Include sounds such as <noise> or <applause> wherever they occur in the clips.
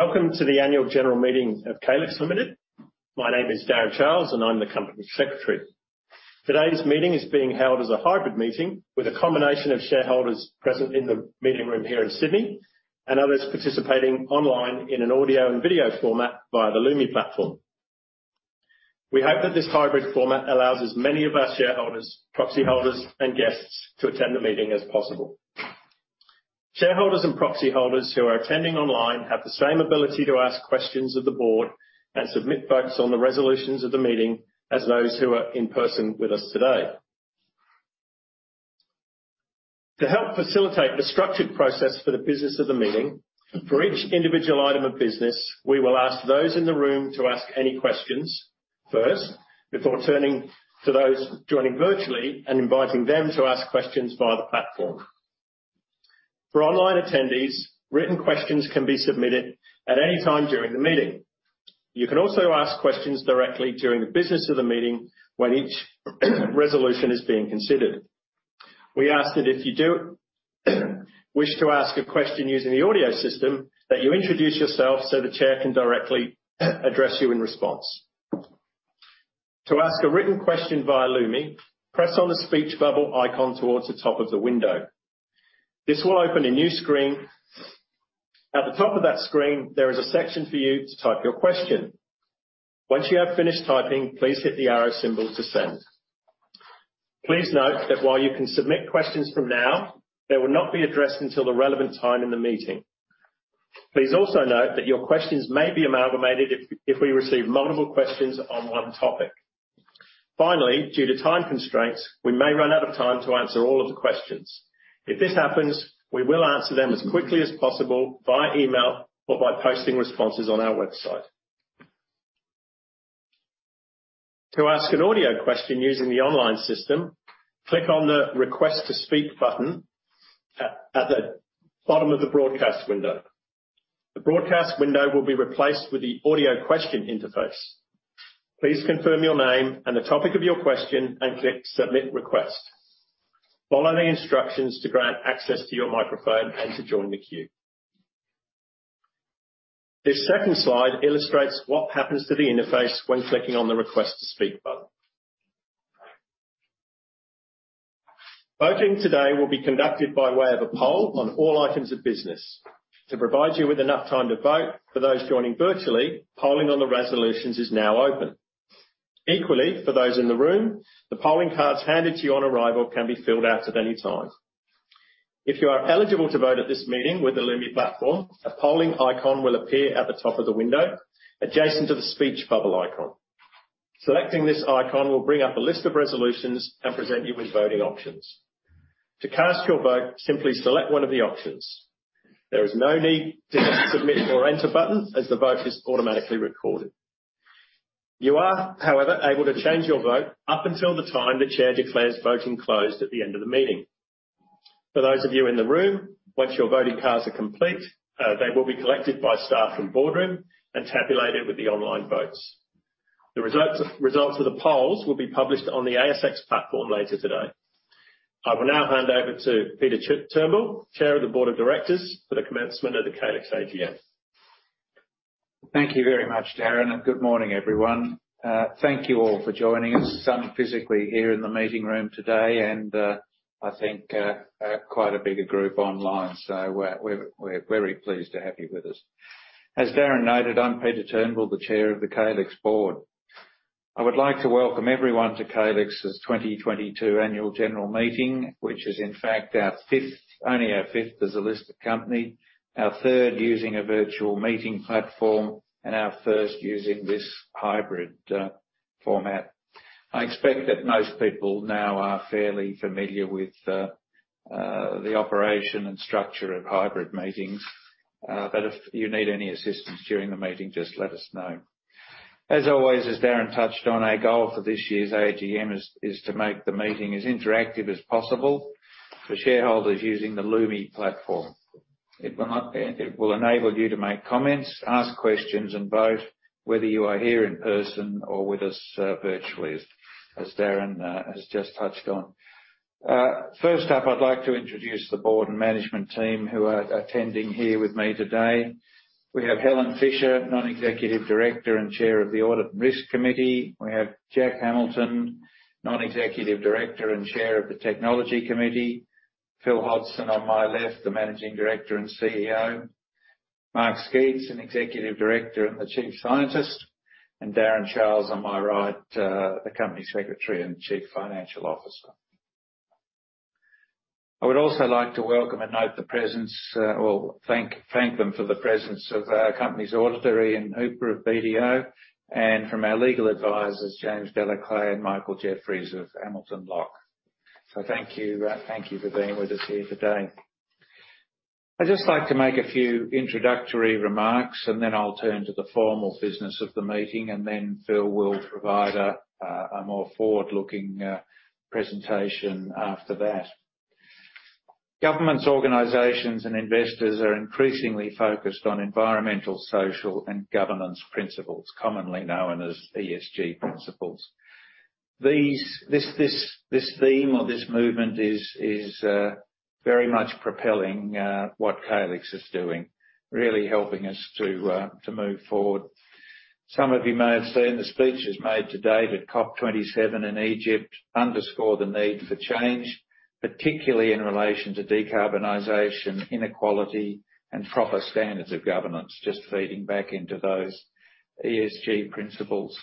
Welcome to the Annual General Meeting of Calix Limited. My name is Darren Charles, and I'm the Company Secretary. Today's meeting is being held as a hybrid meeting with a combination of shareholders present in the meeting room here in Sydney and others participating online in an audio and video format via the Lumi platform. We hope that this hybrid format allows as many of our shareholders, proxy holders and guests to attend the meeting as possible. Shareholders and proxy holders who are attending online have the same ability to ask questions of the board and submit votes on the resolutions of the meeting as those who are in person with us today. To help facilitate the structured process for the business of the meeting, for each individual item of business, we will ask those in the room to ask any questions first before turning to those joining virtually and inviting them to ask questions via the platform. For online attendees, written questions can be submitted at any time during the meeting. You can also ask questions directly during the business of the meeting when each resolution is being considered. We ask that if you do wish to ask a question using the audio system, that you introduce yourself so the chair can directly address you in response. To ask a written question via Lumi, press on the speech bubble icon towards the top of the window. This will open a new screen. At the top of that screen, there is a section for you to type your question. Once you have finished typing, please hit the arrow symbol to send. Please note that while you can submit questions from now, they will not be addressed until the relevant time in the meeting. Please also note that your questions may be amalgamated if we receive multiple questions on one topic. Finally, due to time constraints, we may run out of time to answer all of the questions. If this happens, we will answer them as quickly as possible via email or by posting responses on our website. To ask an audio question using the online system, click on the Request To Speak button at the bottom of the broadcast window. The broadcast window will be replaced with the audio question interface. Please confirm your name and the topic of your question and click Submit Request. Follow the instructions to grant access to your microphone and to join the queue. This second slide illustrates what happens to the interface when clicking on the Request To Speak button. Voting today will be conducted by way of a poll on all items of business. To provide you with enough time to vote, for those joining virtually, polling on the resolutions is now open. Equally, for those in the room, the polling cards handed to you on arrival can be filled out at any time. If you are eligible to vote at this meeting with the Lumi platform, a polling icon will appear at the top of the window adjacent to the speech bubble icon. Selecting this icon will bring up a list of resolutions and present you with voting options. To cast your vote, simply select one of the options. There is no need to submit or enter button as the vote is automatically recorded. You are, however, able to change your vote up until the time the chair declares voting closed at the end of the meeting. For those of you in the room, once your voting cards are complete, they will be collected by staff from Boardroom and tabulated with the online votes. The results of the polls will be published on the ASX platform later today. I will now hand over to Peter Turnbull, Chair of the Board of Directors for the commencement of the Calix AGM. Thank you very much, Darren, and good morning, everyone. Thank you all for joining us, some physically here in the meeting room today and, I think, quite a bigger group online. We're very pleased to have you with us. As Darren noted, I'm Peter Turnbull, the Chair of the Calix board. I would like to welcome everyone to Calix's 2022 annual general meeting, which is in fact our 5th, only our 5th as a listed company, our 3rd using a virtual meeting platform, and our 1st using this hybrid format. I expect that most people now are fairly familiar with the operation and structure of hybrid meetings, but if you need any assistance during the meeting, just let us know. As always, as Darren touched on, our goal for this year's AGM is to make the meeting as interactive as possible for shareholders using the Lumi platform. It will enable you to make comments, ask questions, and vote whether you are here in person or with us virtually, as Darren has just touched on. First up, I'd like to introduce the Board and Management team who are attending here with me today. We have Helen Fisher, Non-Executive Director and Chair of the Audit and Risk Committee. We have Jack Hamilton, Non-Executive Director and Chair of the Technology Committee. Phil Hodgson on my left, the Managing Director and CEO. Mark Sceats, an Executive Director and the Chief Scientist, and Darren Charles on my right, the Company Secretary and Chief Financial Officer. I would also like to welcome and note the presence or thank them for the presence of our company's auditor, Ian Hooper of BDO, and from our legal advisors, James Delesclefs and Michael Jeffries of Hamilton Locke. Thank you for being with us here today. I'd just like to make a few introductory remarks and then I'll turn to the formal business of the meeting, and then Phil will provide a more forward-looking presentation after that. Governments, organizations, and investors are increasingly focused on environmental, social, and governance principles, commonly known as ESG principles. This theme or this movement is very much propelling what Calix is doing, really helping us to move forward. Some of you may have seen the speeches made today at COP 27 in Egypt underscore the need for change, particularly in relation to decarbonization, inequality, and proper standards of governance. Just feeding back into those ESG principles.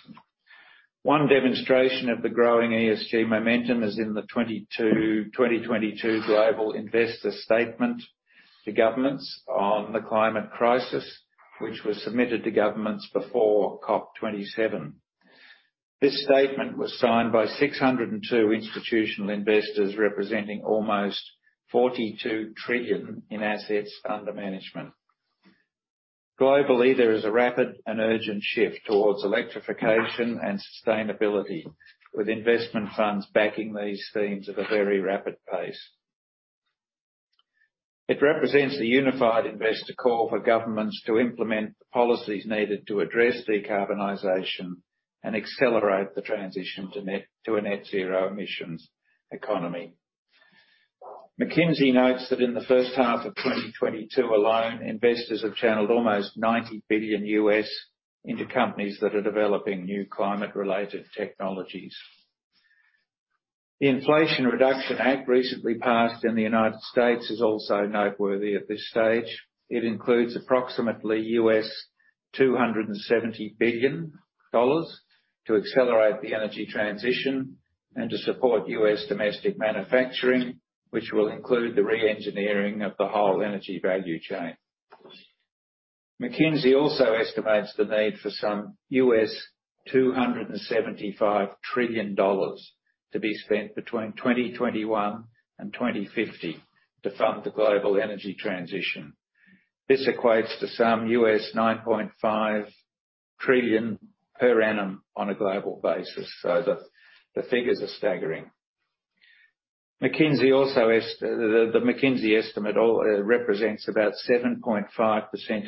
One demonstration of the growing ESG momentum is in the 2022 Global Investor Statement to Governments on the Climate Crisis, which was submitted to governments before COP 27. This statement was signed by 602 institutional investors representing almost $42 trillion in assets under management. Globally, there is a rapid and urgent shift towards electrification and sustainability, with investment funds backing these themes at a very rapid pace. It represents the unified investor call for governments to implement the policies needed to address decarbonization and accelerate the transition to a net zero emissions economy. McKinsey notes that in the first half of 2022 alone, investors have channeled almost $90 billion into companies that are developing new climate-related technologies. The Inflation Reduction Act recently passed in the United States is also noteworthy at this stage. It includes approximately $270 billion to accelerate the energy transition and to support U.S. domestic manufacturing, which will include the re-engineering of the whole energy value chain. McKinsey also estimates the need for some $275 trillion to be spent between 2021 and 2050 to fund the global energy transition. This equates to some $9.5 trillion per annum on a global basis. The figures are staggering. McKinsey also, the McKinsey estimate represents about 7.5%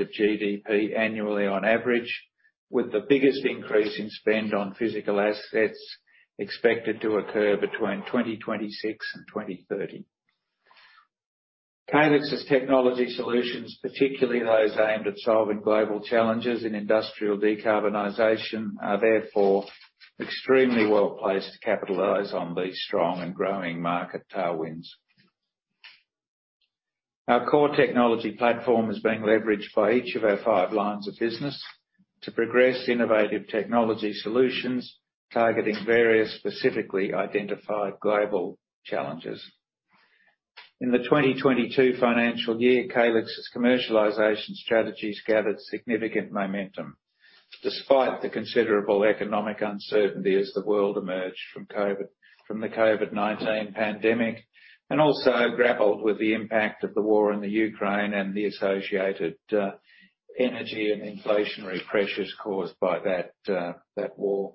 of GDP annually on average, with the biggest increase in spend on physical assets expected to occur between 2026 and 2030. Calix's technology solutions, particularly those aimed at solving global challenges in industrial decarbonization, are therefore extremely well-placed to capitalize on these strong and growing market tailwinds. Our core technology platform is being leveraged by each of our five lines of business to progress innovative technology solutions targeting various specifically identified global challenges. In the 2022 financial year, Calix's commercialization strategies gathered significant momentum, despite the considerable economic uncertainty as the world emerged from the COVID-19 pandemic and also grappled with the impact of the war in the Ukraine and the associated energy and inflationary pressures caused by that war.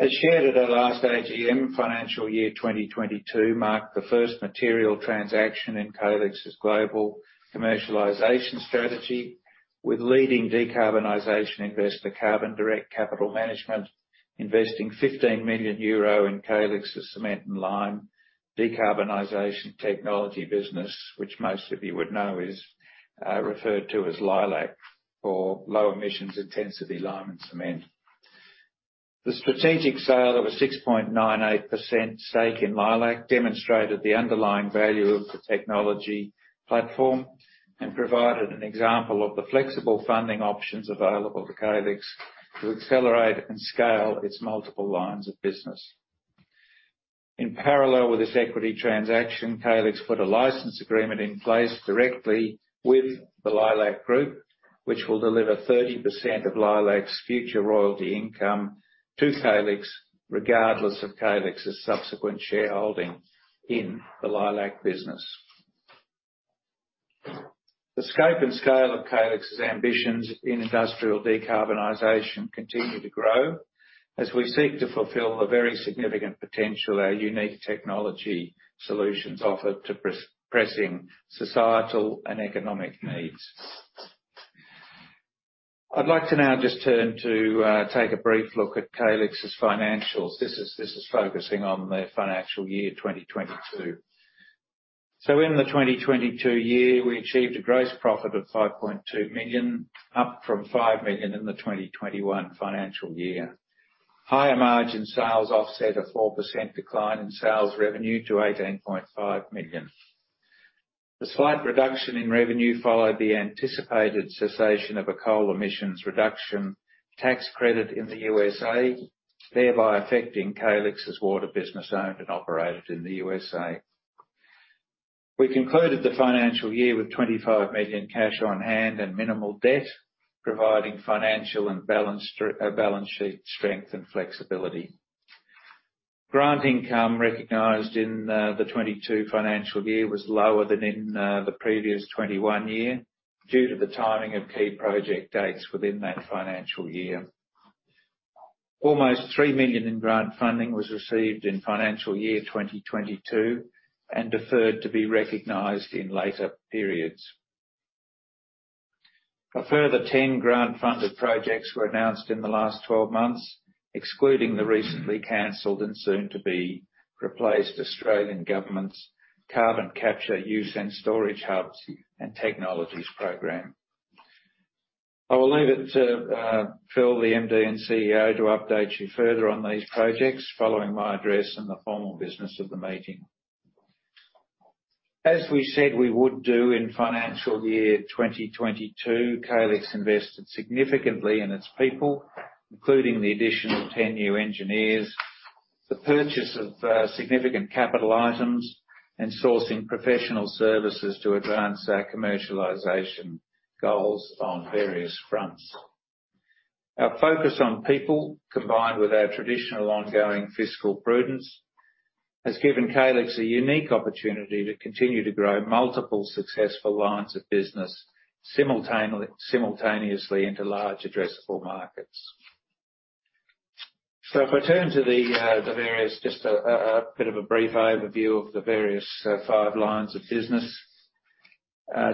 As shared at our last AGM, financial year 2022 marked the first material transaction in Calix's global commercialization strategy, with leading decarbonization investor Carbon Direct Capital Management investing 15 million euro in Calix's cement and lime decarbonization technology business, which most of you would know is referred to as Leilac, or Low Emissions Intensity Lime and Cement. The strategic sale of a 6.98% stake in Leilac demonstrated the underlying value of the technology platform and provided an example of the flexible funding options available to Calix to accelerate and scale its multiple lines of business. In parallel with this equity transaction, Calix put a license agreement in place directly with the Leilac group, which will deliver 30% of Leilac's future royalty income to Calix, regardless of Calix's subsequent shareholding in the Leilac business. The scope and scale of Calix's ambitions in industrial decarbonization continue to grow as we seek to fulfill the very significant potential our unique technology solutions offer to pressing societal and economic needs. I'd like to now just turn to take a brief look at Calix's financials. This is focusing on the financial year 2022. In the 2022 year, we achieved a gross profit of 5.2 million, up from 5 million in the 2021 financial year. Higher margin sales offset a 4% decline in sales revenue to 18.5 million. The slight reduction in revenue followed the anticipated cessation of a coal emissions reduction tax credit in the USA, thereby affecting Calix's water business owned and operated in the USA. We concluded the financial year with 25 million cash on hand and minimal debt, providing financial and balance sheet strength and flexibility. Grant income recognized in the 2022 financial year was lower than in the previous 2021 year, due to the timing of key project dates within that financial year. Almost 3 million in grant funding was received in financial year 2022 and deferred to be recognized in later periods. A further 10 grant-funded projects were announced in the last twelve months, excluding the recently canceled and soon to be replaced Australian government's Carbon Capture, Use and Storage Hubs and Technologies Program. I will leave it to Phil, the MD and CEO, to update you further on these projects following my address and the formal business of the meeting. As we said we would do in financial year 2022, Calix invested significantly in its people, including the addition of 10 new engineers, the purchase of significant capital items, and sourcing professional services to advance our commercialization goals on various fronts. Our focus on people, combined with our traditional ongoing fiscal prudence, has given Calix a unique opportunity to continue to grow multiple successful lines of business simultaneously into large addressable markets. If I turn to the various. Just a bit of a brief overview of the various five lines of business.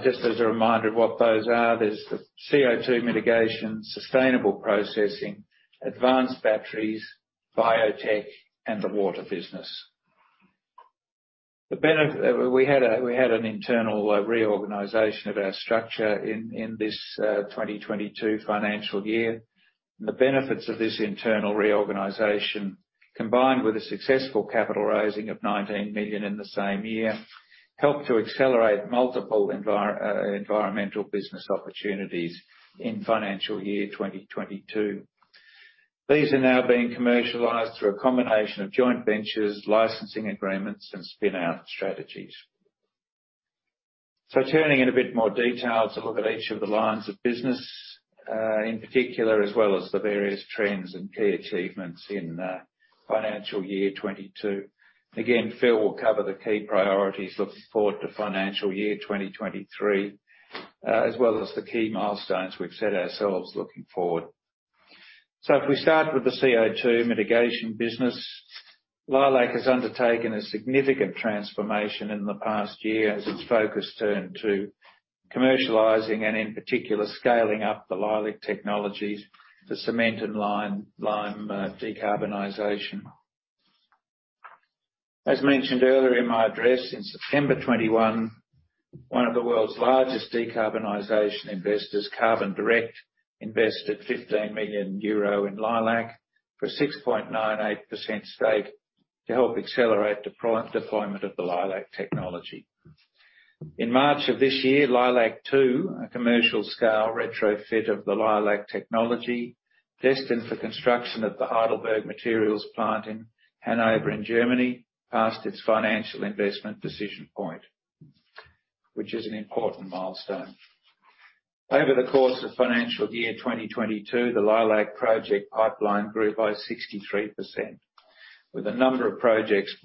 Just as a reminder of what those are, there's the CO₂ Mitigation, Sustainable Processing, Advanced Batteries, Biotech, and the Water business. We had an internal reorganization of our structure in this 2022 financial year. The benefits of this internal reorganization, combined with a successful capital raising of 19 million in the same year, helped to accelerate multiple environmental business opportunities in financial year 2022. These are now being commercialized through a combination of joint ventures, licensing agreements and spin-out strategies. Turning to a bit more details to look at each of the lines of business, in particular, as well as the various trends and key achievements in financial year 2022. Again, Phil will cover the key priorities looking forward to financial year 2023, as well as the key milestones we've set ourselves looking forward. If we start with the CO₂ Mitigation business, Leilac has undertaken a significant transformation in the past year as its focus turned to commercializing and, in particular, scaling up the Leilac technologies to cement and lime decarbonization. As mentioned earlier in my address, in September 2021, one of the world's largest decarbonization investors, Carbon Direct, invested 15 million euro in Leilac for a 6.98% stake to help accelerate deployment of the Leilac technology. In March of this year, Leilac-2, a commercial scale retrofit of the Leilac technology destined for construction at the Heidelberg Materials plant in Hanover, Germany, passed its Financial Investment Decision point, which is an important milestone. Over the course of financial year 2022, the Leilac project pipeline grew by 63%, with a number of projects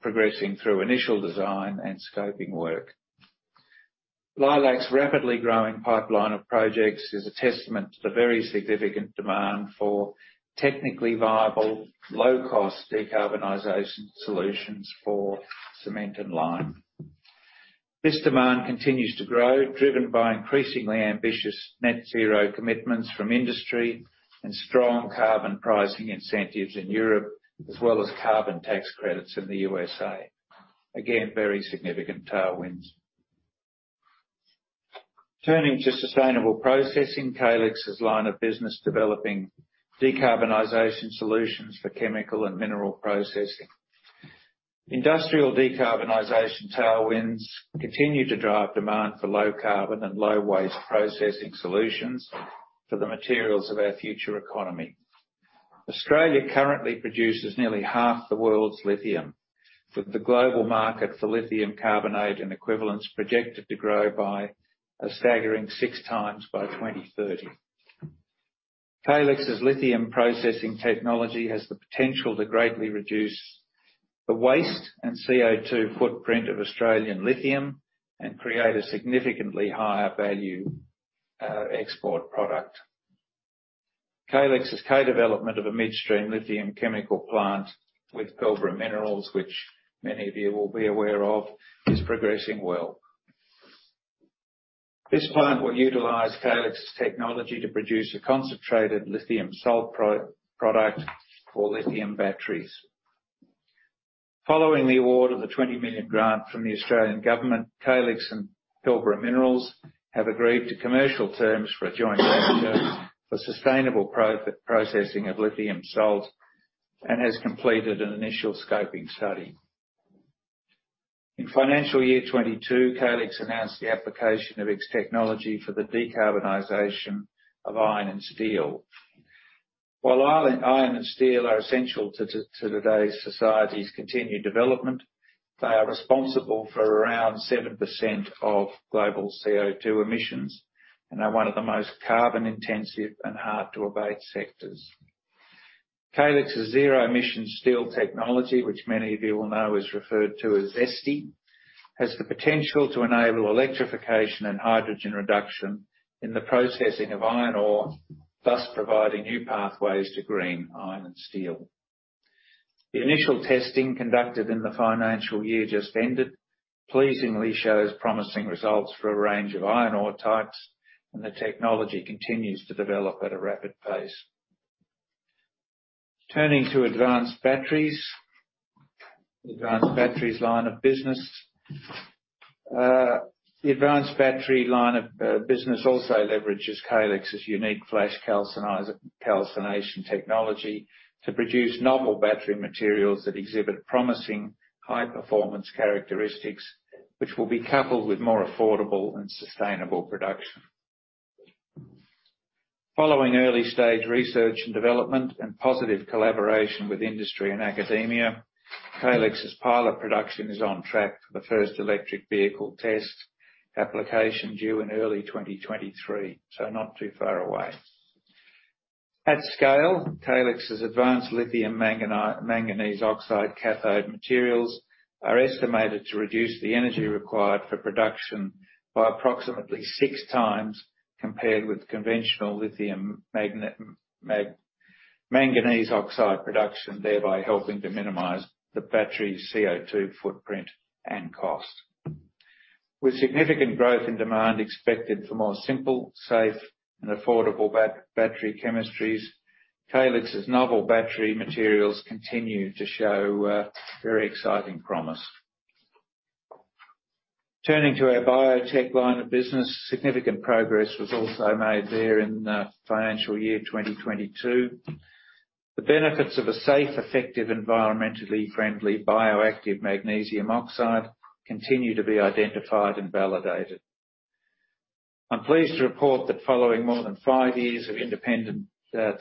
progressing through initial design and scoping work. Leilac's rapidly growing pipeline of projects is a testament to the very significant demand for technically viable, low cost decarbonization solutions for cement and lime. This demand continues to grow, driven by increasingly ambitious net zero commitments from industry and strong carbon pricing incentives in Europe, as well as carbon tax credits in the USA. Again, very significant tailwinds. Turning to Sustainable Processing, Calix's line of business developing decarbonization solutions for chemical and mineral processing. Industrial decarbonization tailwinds continue to drive demand for low carbon and low waste processing solutions for the materials of our future economy. Australia currently produces nearly half the world's lithium, with the global market for lithium carbonate and equivalents projected to grow by a staggering 6x by 2030. Calix's lithium processing technology has the potential to greatly reduce the waste and CO₂ footprint of Australian lithium and create a significantly higher value export product. Calix's co-development of a midstream lithium chemical plant with Pilbara Minerals, which many of you will be aware of, is progressing well. This plant will utilize Calix's technology to produce a concentrated lithium salt pre-product for lithium batteries. Following the award of the 20 million grant from the Australian government, Calix and Pilbara Minerals have agreed to commercial terms for a joint venture for sustainable pre-processing of lithium salt and has completed an initial scoping study. In financial year 2022, Calix announced the application of its technology for the decarbonization of iron and steel. While iron and steel are essential to today's society's continued development, they are responsible for around 7% of global CO₂ emissions and are one of the most carbon intensive and hard-to-abate sectors. Calix's Zero Emissions Steel Technology, which many of you will know is referred to as ZESTY, has the potential to enable electrification and hydrogen reduction in the processing of iron ore, thus providing new pathways to green iron and steel. The initial testing conducted in the financial year just ended, pleasingly shows promising results for a range of iron ore types, and the technology continues to develop at a rapid pace. Turning to the Advanced Batteries line of business. The advanced battery line of business also leverages Calix's unique flash calcination technology to produce novel battery materials that exhibit promising high performance characteristics, which will be coupled with more affordable and sustainable production. Following early stage research and development and positive collaboration with industry and academia, Calix's pilot production is on track for the first electric vehicle test application due in early 2023, so not too far away. At scale, Calix's advanced lithium manganese oxide cathode materials are estimated to reduce the energy required for production by approximately 6x, compared with conventional lithium manganese oxide production, thereby helping to minimize the battery's CO₂ footprint and cost. With significant growth in demand expected for more simple, safe and affordable battery chemistries, Calix's novel battery materials continue to show very exciting promise. Turning to our Biotech line of business, significant progress was also made there in financial year 2022. The benefits of a safe, effective, environmentally friendly bioactive magnesium oxide continue to be identified and validated. I'm pleased to report that following more than five years of independent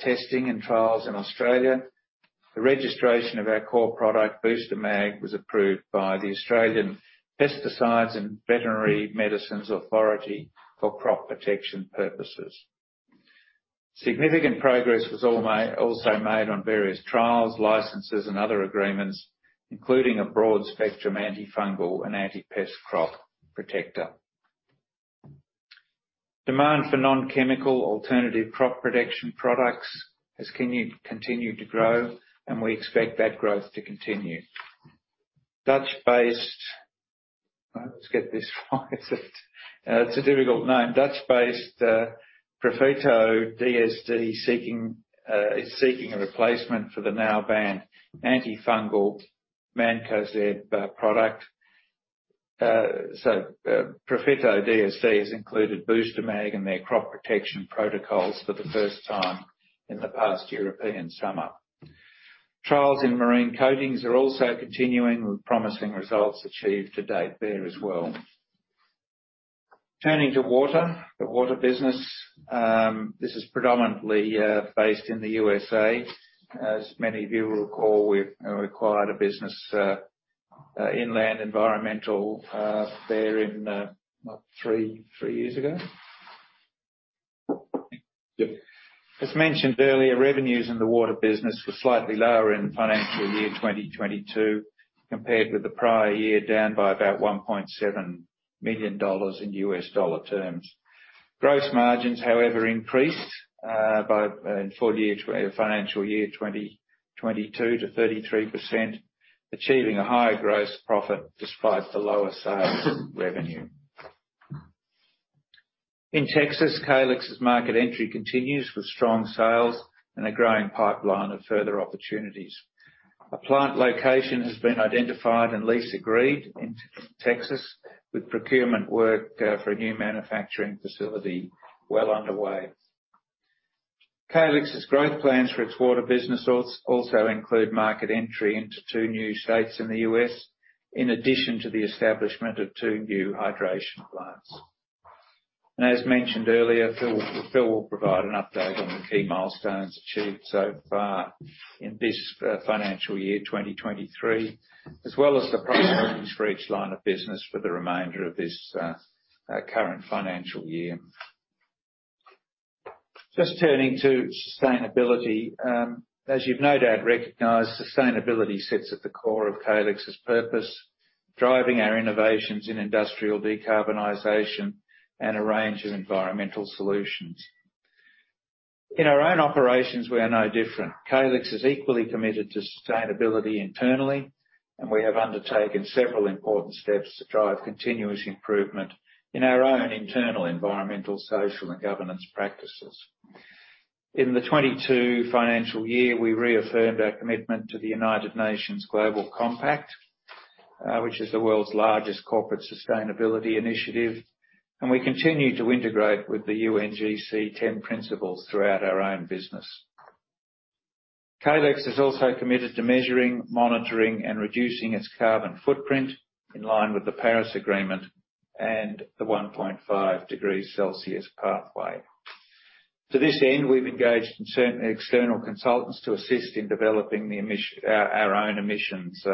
testing and trials in Australia, the registration of our core product, BOOSTER-Mag, was approved by the Australian Pesticides and Veterinary Medicines Authority for crop protection purposes. Significant progress was also made on various trials, licenses and other agreements, including a broad-spectrum antifungal and anti-pest crop protector. Demand for non-chemical alternative crop protection products has continued to grow, and we expect that growth to continue. Dutch-based Profytodsd is seeking a replacement for the now banned antifungal Mancozeb product. Profytodsd has included BOOSTER-Mag in their crop protection protocols for the first time in the past European summer. Trials in marine coatings are also continuing, with promising results achieved to date there as well. Turning to Water. The water business. This is predominantly based in the USA. As many of you will recall, we've acquired a business, Inland Environmental, there in what, three years ago? As mentioned earlier, revenues in the water business were slightly lower in financial year 2022 compared with the prior year, down by about $1.7 million in U.S. dollar terms. Gross margins, however, increased in financial year 2022 to 33%, achieving a higher gross profit despite the lower sales revenue. In Texas, Calix's market entry continues with strong sales and a growing pipeline of further opportunities. A plant location has been identified and lease agreed in Texas, with procurement work for a new manufacturing facility well underway. Calix's growth plans for its water business also include market entry into two new states in the U.S., in addition to the establishment of two new hydration plants. As mentioned earlier, Phil will provide an update on the key milestones achieved so far in this financial year, 2023, as well as the priorities for each line of business for the remainder of this current financial year. Just turning to sustainability. As you've no doubt recognized, sustainability sits at the core of Calix's purpose, driving our innovations in industrial decarbonization and a range of environmental solutions. In our own operations, we are no different. Calix is equally committed to sustainability internally, and we have undertaken several important steps to drive continuous improvement in our own internal environmental, social and governance practices. In the 2022 financial year, we reaffirmed our commitment to the United Nations Global Compact, which is the world's largest corporate sustainability initiative, and we continue to integrate with the UNGC ten principles throughout our own business. Calix is also committed to measuring, monitoring and reducing its carbon footprint in line with the Paris Agreement and the 1.5 degrees Celsius pathway. To this end, we've engaged certain external consultants to assist in developing our own emissions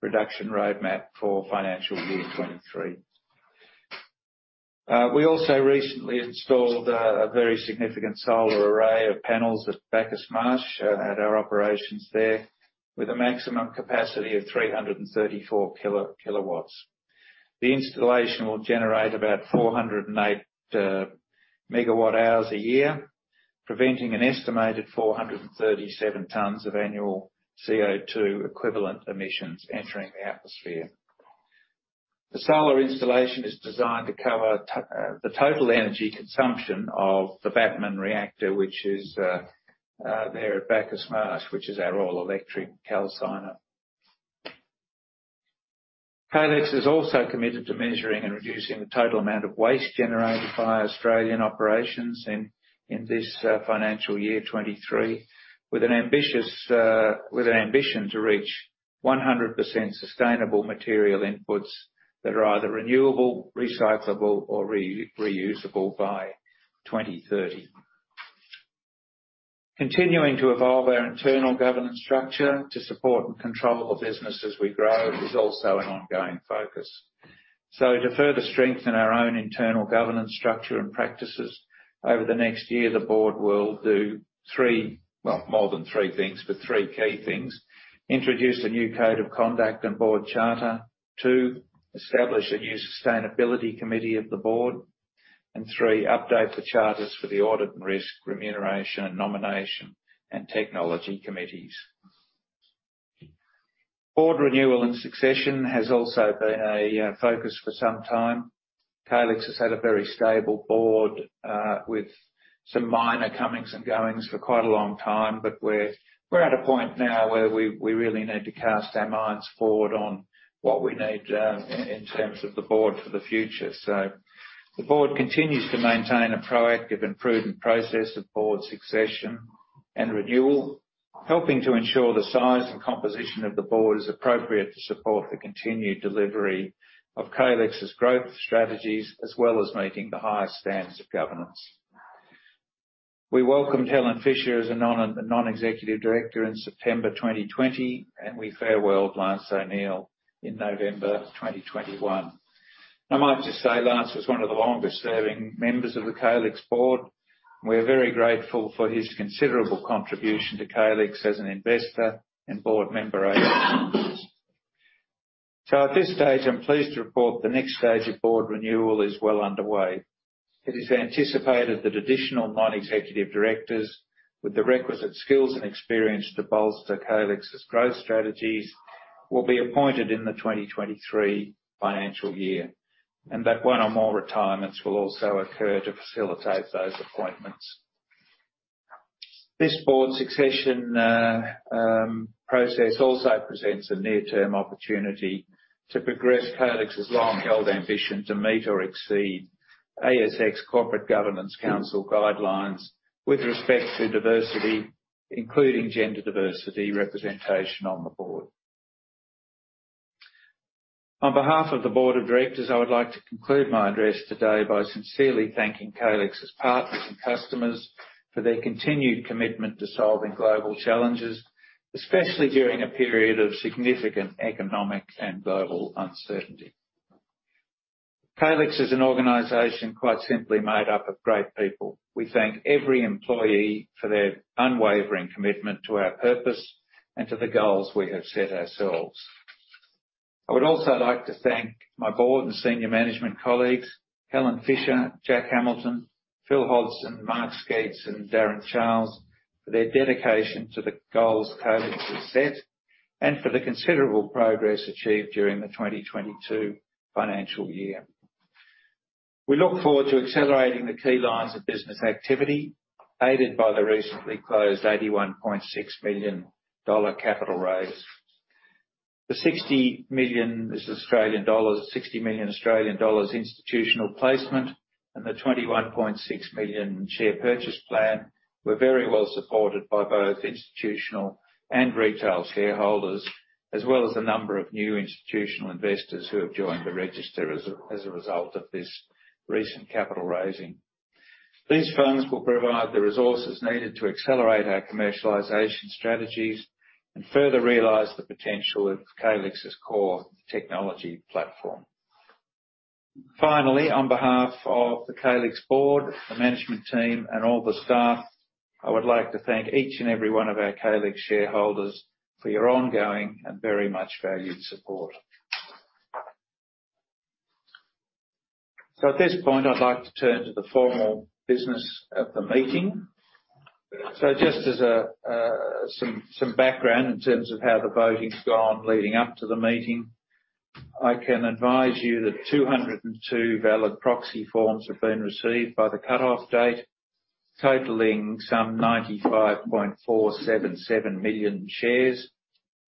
reduction roadmap for financial year 2023. We also recently installed a very significant solar array of panels at Bacchus Marsh, at our operations there, with a maximum capacity of 334 kW. The installation will generate about 408 MWh a year, preventing an estimated 437 tons of annual CO₂ equivalent emissions entering the atmosphere. The solar installation is designed to cover the total energy consumption of the BATMn reactor, which is there at Bacchus Marsh, which is our all-electric calciner. Calix is also committed to measuring and reducing the total amount of waste generated by Australian operations in this financial year 2023, with an ambition to reach 100% sustainable material inputs that are either renewable, recyclable or reusable by 2030. Continuing to evolve our internal governance structure to support and control the business as we grow is also an ongoing focus. To further strengthen our own internal governance structure and practices over the next year, the board will do three. Well, more than three things, but three key things. Introduce a new Code of Conduct and Board Charter. Two, establish a new Sustainability Committee of the board. Three, update the charters for the Audit and Risk, Remuneration, and Nomination, and Technology Committees. Board renewal and succession has also been a focus for some time. Calix has had a very stable board with some minor comings and goings for quite a long time. We're at a point now where we really need to cast our minds forward on what we need in terms of the board for the future. The board continues to maintain a proactive and prudent process of board succession and renewal, helping to ensure the size and composition of the board is appropriate to support the continued delivery of Calix's growth strategies, as well as meeting the highest standards of governance. We welcomed Helen Fisher as a non-executive director in September 2020, and we farewelled Lance O'Neill in November 2021. I might just say Lance was one of the longest-serving members of the Calix board. We're very grateful for his considerable contribution to Calix as an investor and board member over the years. At this stage, I'm pleased to report the next stage of board renewal is well underway. It is anticipated that additional non-executive directors with the requisite skills and experience to bolster Calix's growth strategies will be appointed in the 2023 financial year. That one or more retirements will also occur to facilitate those appointments. This board succession process also presents a near-term opportunity to progress Calix's long-held ambition to meet or exceed ASX Corporate Governance Council guidelines with respect to diversity, including gender diversity representation on the board. On behalf of the board of directors, I would like to conclude my address today by sincerely thanking Calix's partners and customers for their continued commitment to solving global challenges, especially during a period of significant economic and global uncertainty. Calix is an organization quite simply made up of great people. We thank every employee for their unwavering commitment to our purpose and to the goals we have set ourselves. I would also like to thank my board and senior management colleagues, Helen Fisher, Jack Hamilton, Phil Hodgson, Mark Sceats, and Darren Charles, for their dedication to the goals Calix has set and for the considerable progress achieved during the 2022 financial year. We look forward to accelerating the key lines of business activity, aided by the recently closed AUD 81.6 million capital raise. The 60 million, this is Australian dollars, 60 million Australian dollars institutional placement and the 21.6 million share purchase plan were very well supported by both institutional and retail shareholders, as well as a number of new institutional investors who have joined the register as a result of this recent capital raising. These funds will provide the resources needed to accelerate our commercialization strategies and further realize the potential of Calix's core technology platform. Finally, on behalf of the Calix board, the management team, and all the staff, I would like to thank each and every one of our Calix shareholders for your ongoing and very much valued support. At this point, I'd like to turn to the formal business of the meeting. Just some background in terms of how the voting's gone leading up to the meeting, I can advise you that 202 valid proxy forms have been received by the cutoff date, totaling some 95.477 million shares,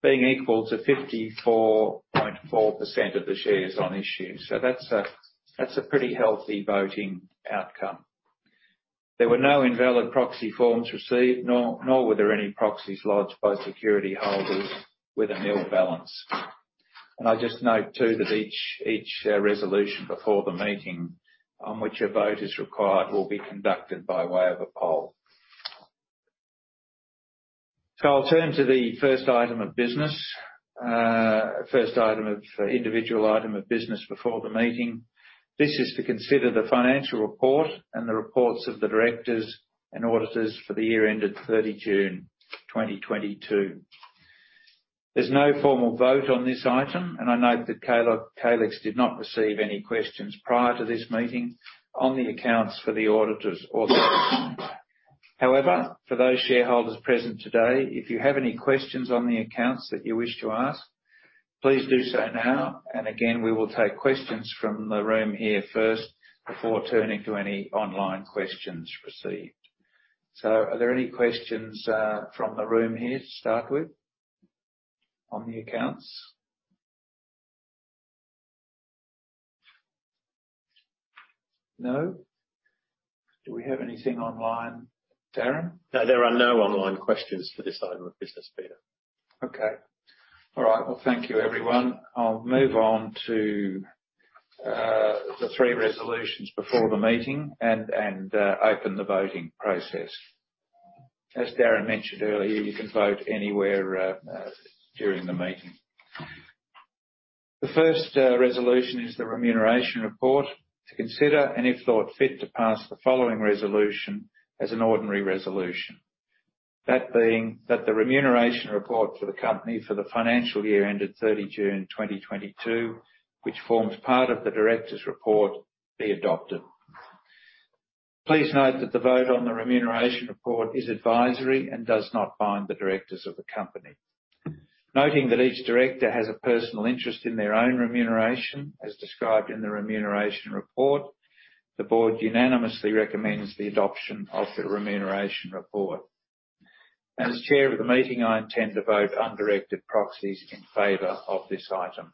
being equal to 54.4% of the shares on issue. That's a pretty healthy voting outcome. There were no invalid proxy forms received, nor were there any proxies lodged by security holders with a nil balance. I just note too that each resolution before the meeting on which a vote is required will be conducted by way of a poll. I'll turn to the first individual item of business before the meeting. This is to consider the financial report and the reports of the directors and auditors for the year ended 30 June 2022. There's no formal vote on this item, and I note that Calix did not receive any questions prior to this meeting on the accounts for the auditors or however. For those shareholders present today, if you have any questions on the accounts that you wish to ask, please do so now. Again, we will take questions from the room here first before turning to any online questions received. Are there any questions from the room here to start with on the accounts? No. Do we have anything online, Darren? No, there are no online questions for this item of business, Peter. Okay. All right. Well, thank you everyone. I'll move on to the three resolutions before the meeting and open the voting process. As Darren mentioned earlier, you can vote anywhere during the meeting. The first resolution is the remuneration report. To consider, and if thought fit, to pass the following resolution as an ordinary resolution. That being that the remuneration report for the company for the financial year ended 30 June 2022, which forms part of the directors' report be adopted. Please note that the vote on the remuneration report is advisory and does not bind the directors of the company. Noting that each director has a personal interest in their own remuneration, as described in the remuneration report, the board unanimously recommends the adoption of the remuneration report. As Chair of the meeting, I intend to vote undirected proxies in favor of this item.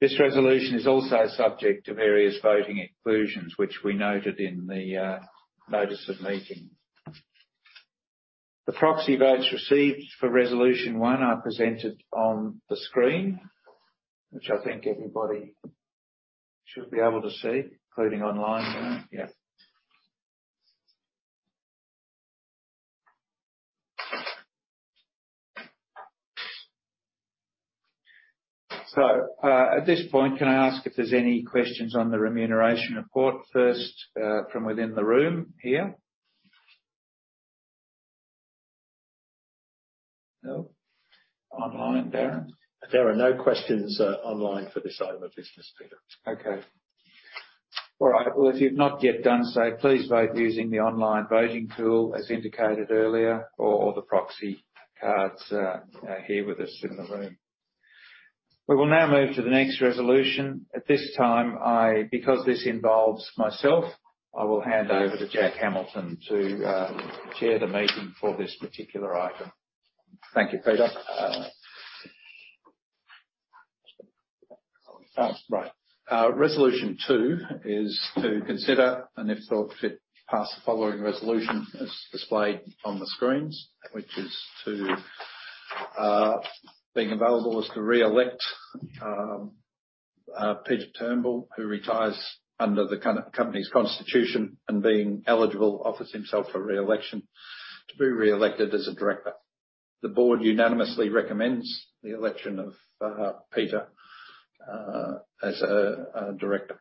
This resolution is also subject to various voting exclusions, which we noted in the notice of meeting. The proxy votes received for resolution one are presented on the screen, which I think everybody should be able to see, including online. Yeah. At this point, can I ask if there's any questions on the remuneration report first, from within the room here? No. Online, Darren? There are no questions online for this item of business, Peter. Okay. All right. Well, if you've not yet done so, please vote using the online voting tool as indicated earlier or the proxy cards here with us in the room. We will now move to the next resolution. At this time, because this involves myself, I will hand over to Jack Hamilton to chair the meeting for this particular item. Thank you, Peter. Resolution 2 is to consider, and if thought fit, pass the following resolution as displayed on the screens, which is to re-elect Peter Turnbull, who retires under the company's constitution, and being eligible, offers himself for re-election to be re-elected as a director. The board unanimously recommends the election of Peter as a director.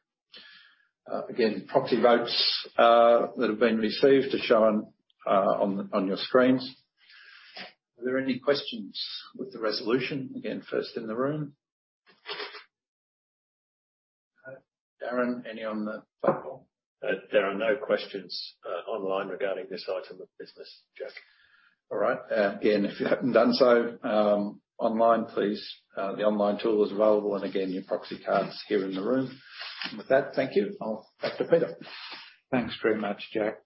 Again, proxy votes that have been received are shown on your screens. Are there any questions with the resolution? Again, first in the room. Darren, any on the platform? There are no questions online regarding this item of business, Jack. All right. Again, if you haven't done so, online please, the online tool is available and again, your proxy cards here in the room. With that, thank you. I'll pass to Peter. Thanks very much, Jack.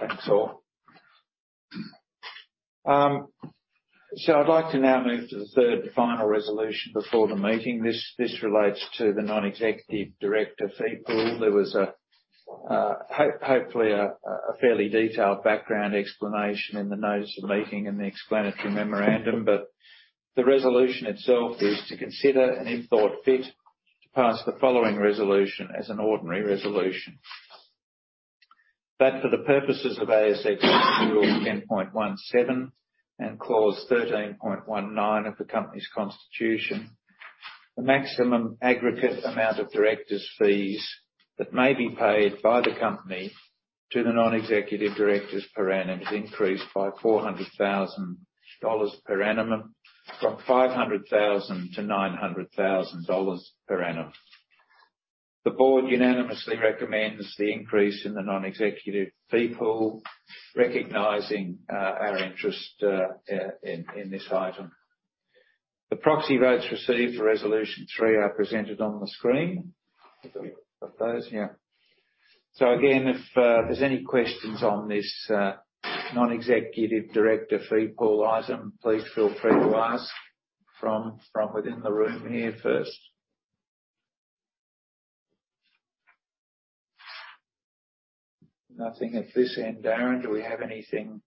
Thanks, all. I'd like to now move to the third and final resolution before the meeting. This relates to the non-executive director fee pool. There was hopefully a fairly detailed background explanation in the notice of meeting and the explanatory memorandum, but the resolution itself is to consider, and if thought fit, to pass the following resolution as an ordinary resolution. That for the purposes of ASX rule 10.1.7 and clause 13.19 of the company's constitution, the maximum aggregate amount of directors' fees that may be paid by the company to the non-executive directors per annum is increased by 400,000 dollars per annum, from 500,000 to 900,000 dollars per annum. The board unanimously recommends the increase in the non-executive fee pool, recognizing our interest in this item. The proxy votes received for resolution three are presented on the screen. Got those? Yeah. Again, if there's any questions on this non-executive director fee pool item, please feel free to ask from within the room here first. Nothing at this end. Darren, do we have anything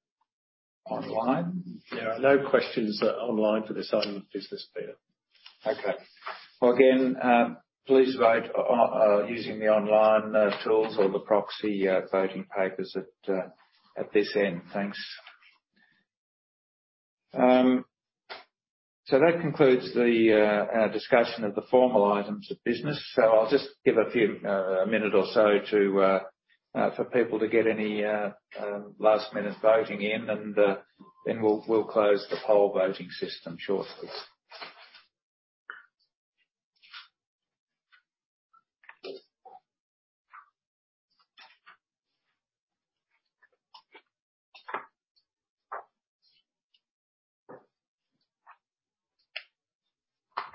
online? There are no questions, online for this item of business, Peter. Okay. Well, again, please vote using the online tools or the proxy voting papers at this end. Thanks. that concludes our discussion of the formal items of business. I'll just give a minute or so for people to get any last-minute voting in and then we'll close the poll voting system shortly.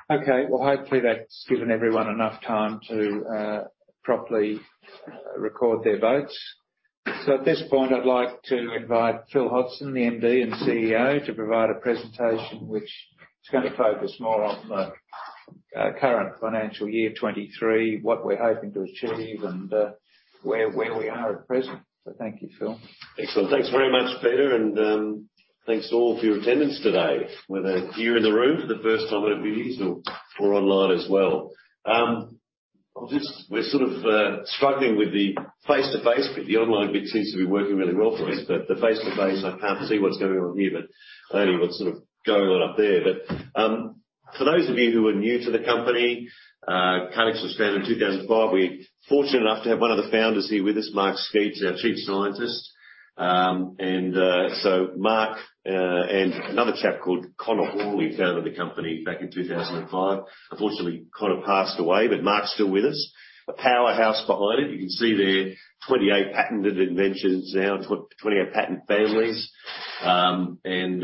Okay. Well, hopefully that's given everyone enough time to properly record their votes. at this point, I'd like to invite Phil Hodgson, the MD and CEO, to provide a presentation which is going to focus more on the current financial year, 2023, what we're hoping to achieve, and where we are at present. thank you, Phil. Excellent. Thanks very much, Peter, and thanks to all for your attendance today, whether you're in the room for the first time at a meeting or online as well. We're sort of struggling with the face-to-face, but the online bit seems to be working really well for us. The face-to-face, I can't see what's going on here, but I can only see what's sort of going on up there. For those of you who are new to the company, Calix was founded in 2005. We're fortunate enough to have one of the founders here with us. Mark Sceats, our chief scientist. Mark and another chap called Connor Horley, we founded the company back in 2005. Unfortunately, Connor passed away, but Mark's still with us. The powerhouse behind it. You can see there 28 patented inventions now, 28 patent families. It's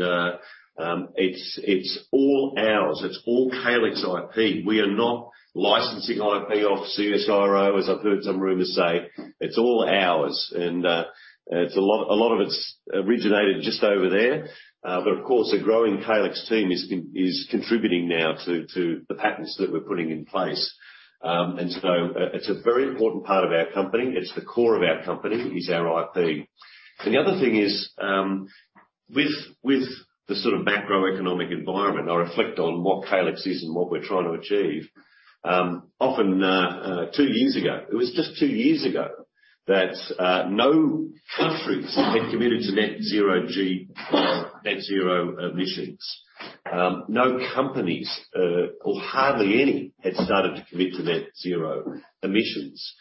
all ours. It's all Calix IP. We are not licensing IP off CSIRO, as I've heard some rumors say. It's all ours. A lot of it's originated just over there. But of course, a growing Calix team is contributing now to the patents that we're putting in place. It's a very important part of our company. It's the core of our company. It is our IP. The other thing is, with the sort of macroeconomic environment, I reflect on what Calix is and what we're trying to achieve. Often, two years ago. It was just two years ago that no countries had committed net zero emissions. No companies, or hardly any, had started to commit to net zero emissions.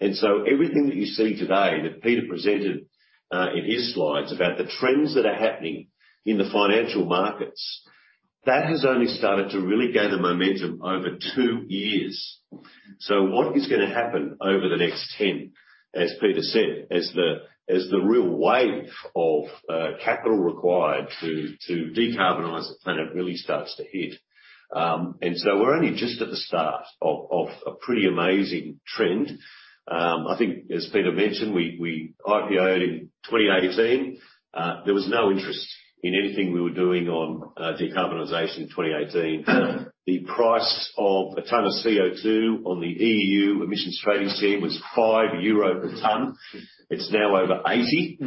Everything that you see today that Peter presented, in his slides about the trends that are happening in the financial markets, that has only started to really gather momentum over two years. What is going to happen over the next 10, as Peter said, as the real wave of capital required to decarbonize the planet really starts to hit. We're only just at the start of a pretty amazing trend. I think as Peter mentioned, we IPO'd in 2018. There was no interest in anything we were doing on decarbonization in 2018. The price of a ton of CO₂ on the EU emissions trading scheme was 5 euro per ton. It's now over 80.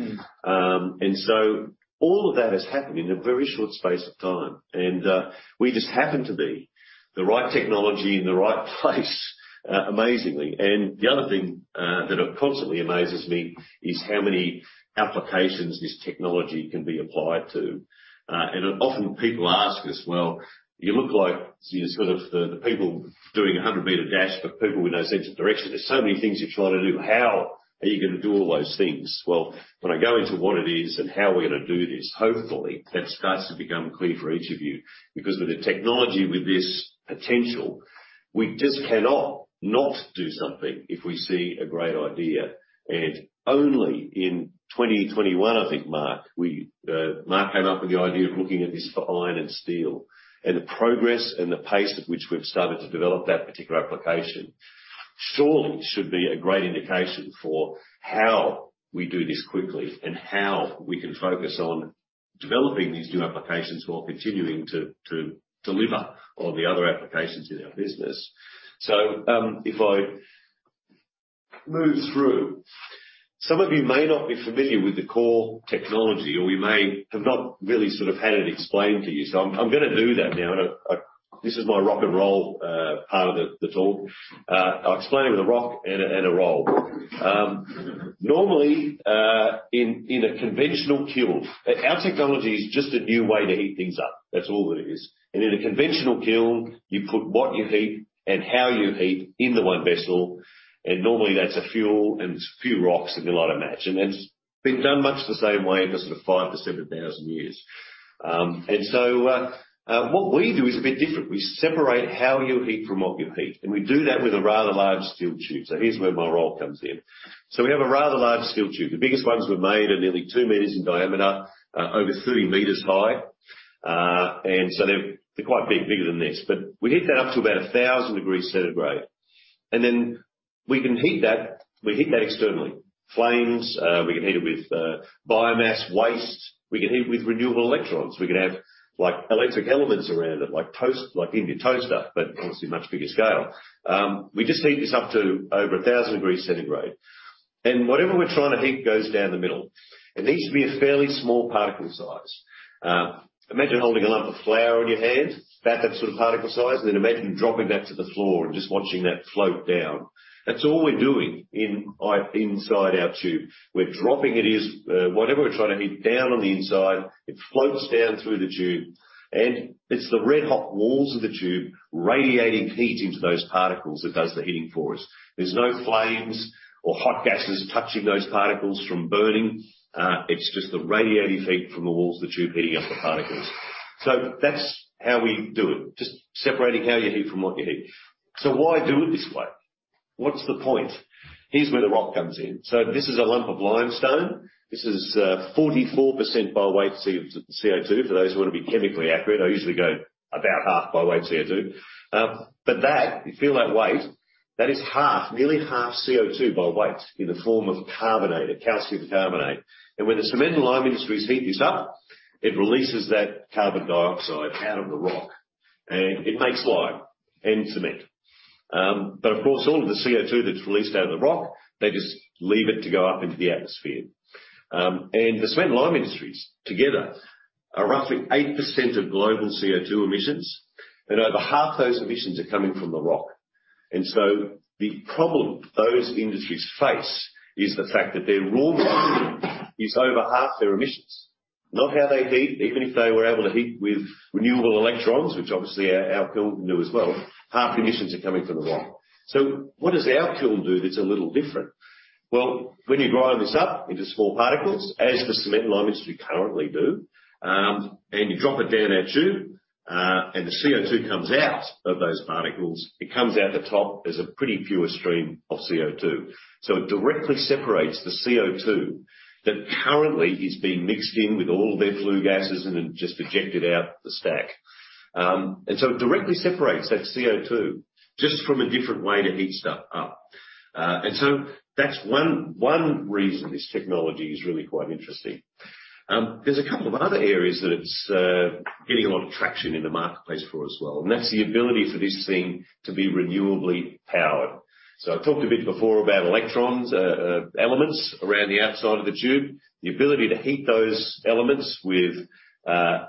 All of that has happened in a very short space of time. We just happen to be the right technology in the right place, amazingly. The other thing that constantly amazes me is how many applications this technology can be applied to. Often people ask us, "Well, you look like you're sort of the people doing a 100-meter dash, but people with no sense of direction. There's so many things you're trying to do. How are you going to do all those things?" Well, when I go into what it is and how we're going to do this, hopefully, that starts to become clear for each of you. Because with a technology with this potential, we just cannot not do something if we see a great idea. Only in 2021, I think, Mark came up with the idea of looking at this for iron and steel. The progress and the pace at which we've started to develop that particular application surely should be a great indication for how we do this quickly and how we can focus on developing these new applications while continuing to deliver on the other applications in our business. If I move through. Some of you may not be familiar with the core technology, or you may have not really sort of had it explained to you. I'm going to do that now. This is my rock and roll part of the talk. I'll explain it with a rock and a roll. Normally, in a conventional kiln, our technology is just a new way to heat things up. That's all it is. In a conventional kiln, you put what you heat and how you heat in the one vessel, and normally that's a fuel and few rocks and you light a match. It's been done much the same way in the sort of 5-7,000 years. What we do is a bit different. We separate how you heat from what you heat, and we do that with a rather large steel tube. Here's where my role comes in. We have a rather large steel tube. The biggest ones we've made are nearly two meters in diameter, over 30 meters high. They're quite big, bigger than this. We heat that up to about 1000 degrees Centigrade. We can heat that. We heat that externally. Flames, we can heat it with biomass waste. We can heat it with renewable electrons. We can have, like, electric elements around it, like in your toaster, but obviously much bigger scale. We just heat this up to over 1000 degrees Centigrade. Whatever we're trying to heat goes down the middle. It needs to be a fairly small particle size. Imagine holding a lump of flour in your hand. About that sort of particle size, and then imagine dropping that to the floor and just watching that float down. That's all we're doing inside our tube. We're dropping it, whatever we're trying to heat down on the inside. It floats down through the tube, and it's the red-hot walls of the tube radiating heat into those particles that does the heating for us. There's no flames or hot gases touching those particles from burning. It's just the radiating heat from the walls of the tube heating up the particles. That's how we do it, just separating how you heat from what you heat. Why do it this way? What's the point? Here's where the rock comes in. This is a lump of limestone. This is 44% by weight CO₂, for those who want to be chemically accurate, I usually go about half by weight CO₂. But that, you feel that weight, that is half, nearly half CO₂ by weight in the form of carbonate, calcium carbonate. When the cement and lime industries heat this up, it releases that carbon dioxide out of the rock, and it makes lime and cement. But of course, all of the CO₂ that's released out of the rock, they just leave it to go up into the atmosphere. The cement and lime industries together are roughly 8% of global CO₂ emissions, and over half those emissions are coming from the rock. The problem those industries face is the fact that their raw material is over half their emissions. Not how they heat, even if they were able to heat with renewable electrons, which obviously our kiln can do as well. Half the emissions are coming from the rock. What does our kiln do that's a little different? Well, when you grind this up into small particles, as the cement and lime industry currently do, and you drop it down our tube, and the CO₂ comes out of those particles, it comes out the top as a pretty pure stream of CO₂. It directly separates the CO₂ that currently is being mixed in with all of their flue gases and then just ejected out the stack. It directly separates that CO₂, just from a different way to heat stuff up. That's one reason this technology is really quite interesting. There's a couple of other areas that it's getting a lot of traction in the marketplace for as well, and that's the ability for this thing to be renewably powered. I talked a bit before about electrons, elements around the outside of the tube. The ability to heat those elements with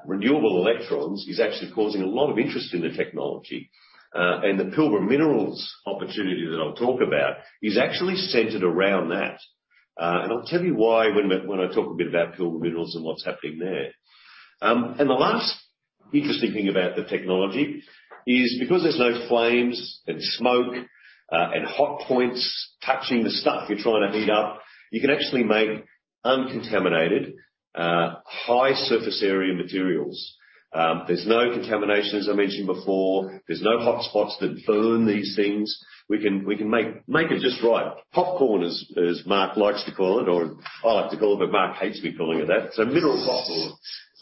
renewable electrons is actually causing a lot of interest in the technology. The Pilbara Minerals opportunity that I'll talk about is actually centered around that. I'll tell you why when I talk a bit about Pilbara Minerals and what's happening there. The last interesting thing about the technology is because there's no flames and smoke and hot points touching the stuff you're trying to heat up, you can actually make uncontaminated high surface area materials. There's no contamination, as I mentioned before. There's no hot spots that burn these things. We can make it just right. Popcorn, as Mark likes to call it, or I like to call it, but Mark hates me calling it that. Mineral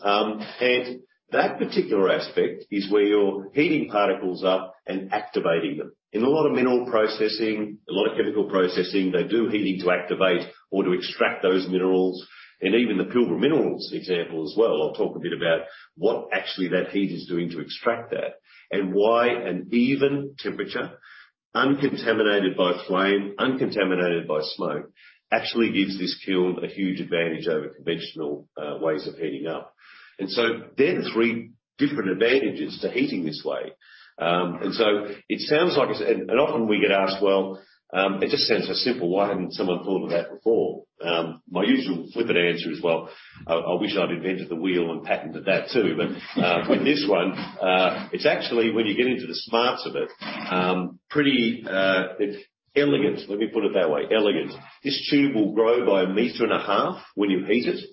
popcorn. That particular aspect is where you're heating particles up and activating them. In a lot of mineral processing, a lot of chemical processing, they do heating to activate or to extract those minerals, and even the Pilbara Minerals example as well, I'll talk a bit about what actually that heat is doing to extract that and why an even temperature uncontaminated by flame, uncontaminated by smoke, actually gives this kiln a huge advantage over conventional ways of heating up. There are three different advantages to heating this way. It sounds like it's. Often, we get asked, well, it just sounds so simple. Why hadn't someone thought of that before? My usual flippant answer is, well, I wish I'd invented the wheel and patented that too. With this one, it's actually when you get into the smarts of it, pretty, it's elegant. Let me put it that way, elegant. This tube will grow by a meter and a half when you heat it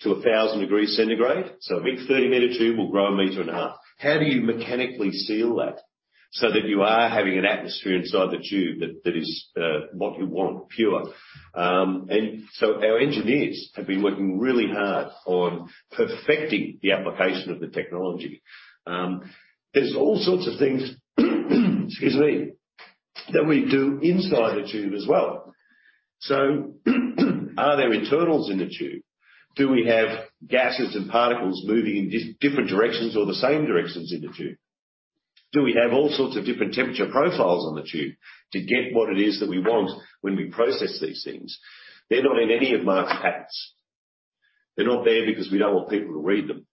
to 1000 degrees Centigrade. A big 30-meter tube will grow a meter and a half. How do you mechanically seal that so that you are having an atmosphere inside the tube that is what you want, pure? Our engineers have been working really hard on perfecting the application of the technology. There's all sorts of things, excuse me, that we do inside the tube as well. Are there internals in the tube? Do we have gases and particles moving in different directions or the same directions in the tube? Do we have all sorts of different temperature profiles on the tube to get what it is that we want when we process these things? They're not in any of Mark's patents. They're not there because we don't want people to read them.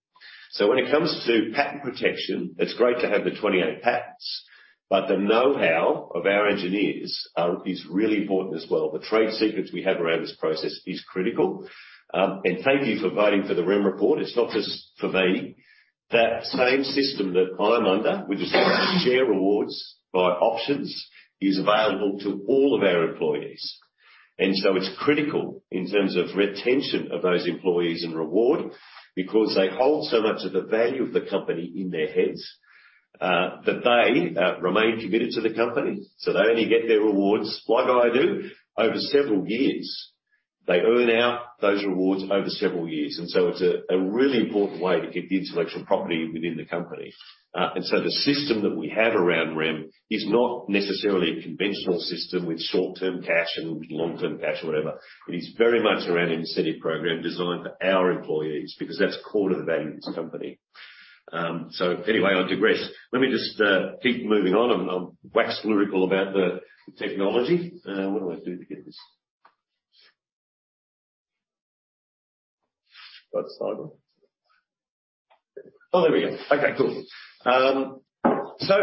So when it comes to patent protection, it's great to have the 28 patents, but the know-how of our engineers is really important as well. The trade secrets we have around this process is critical. Thank you for voting for the REM report. It's not just for me. That same system that I'm under, which is share rewards by options, is available to all of our employees. It's critical in terms of retention of those employees and reward because they hold so much of the value of the company in their heads, that they remain committed to the company, so they only get their rewards like I do over several years. They earn out those rewards over several years. It's a really important way to keep the intellectual property within the company. The system that we have around REM is not necessarily a conventional system with short-term cash and long-term cash or whatever. It is very much around an incentive program designed for our employees because that's core to the value of this company. So anyway, I digress. Let me just keep moving on. I'm wax lyrical about the technology. What do I do to get this. Got a slide on. Oh, there we go. Okay, cool. So,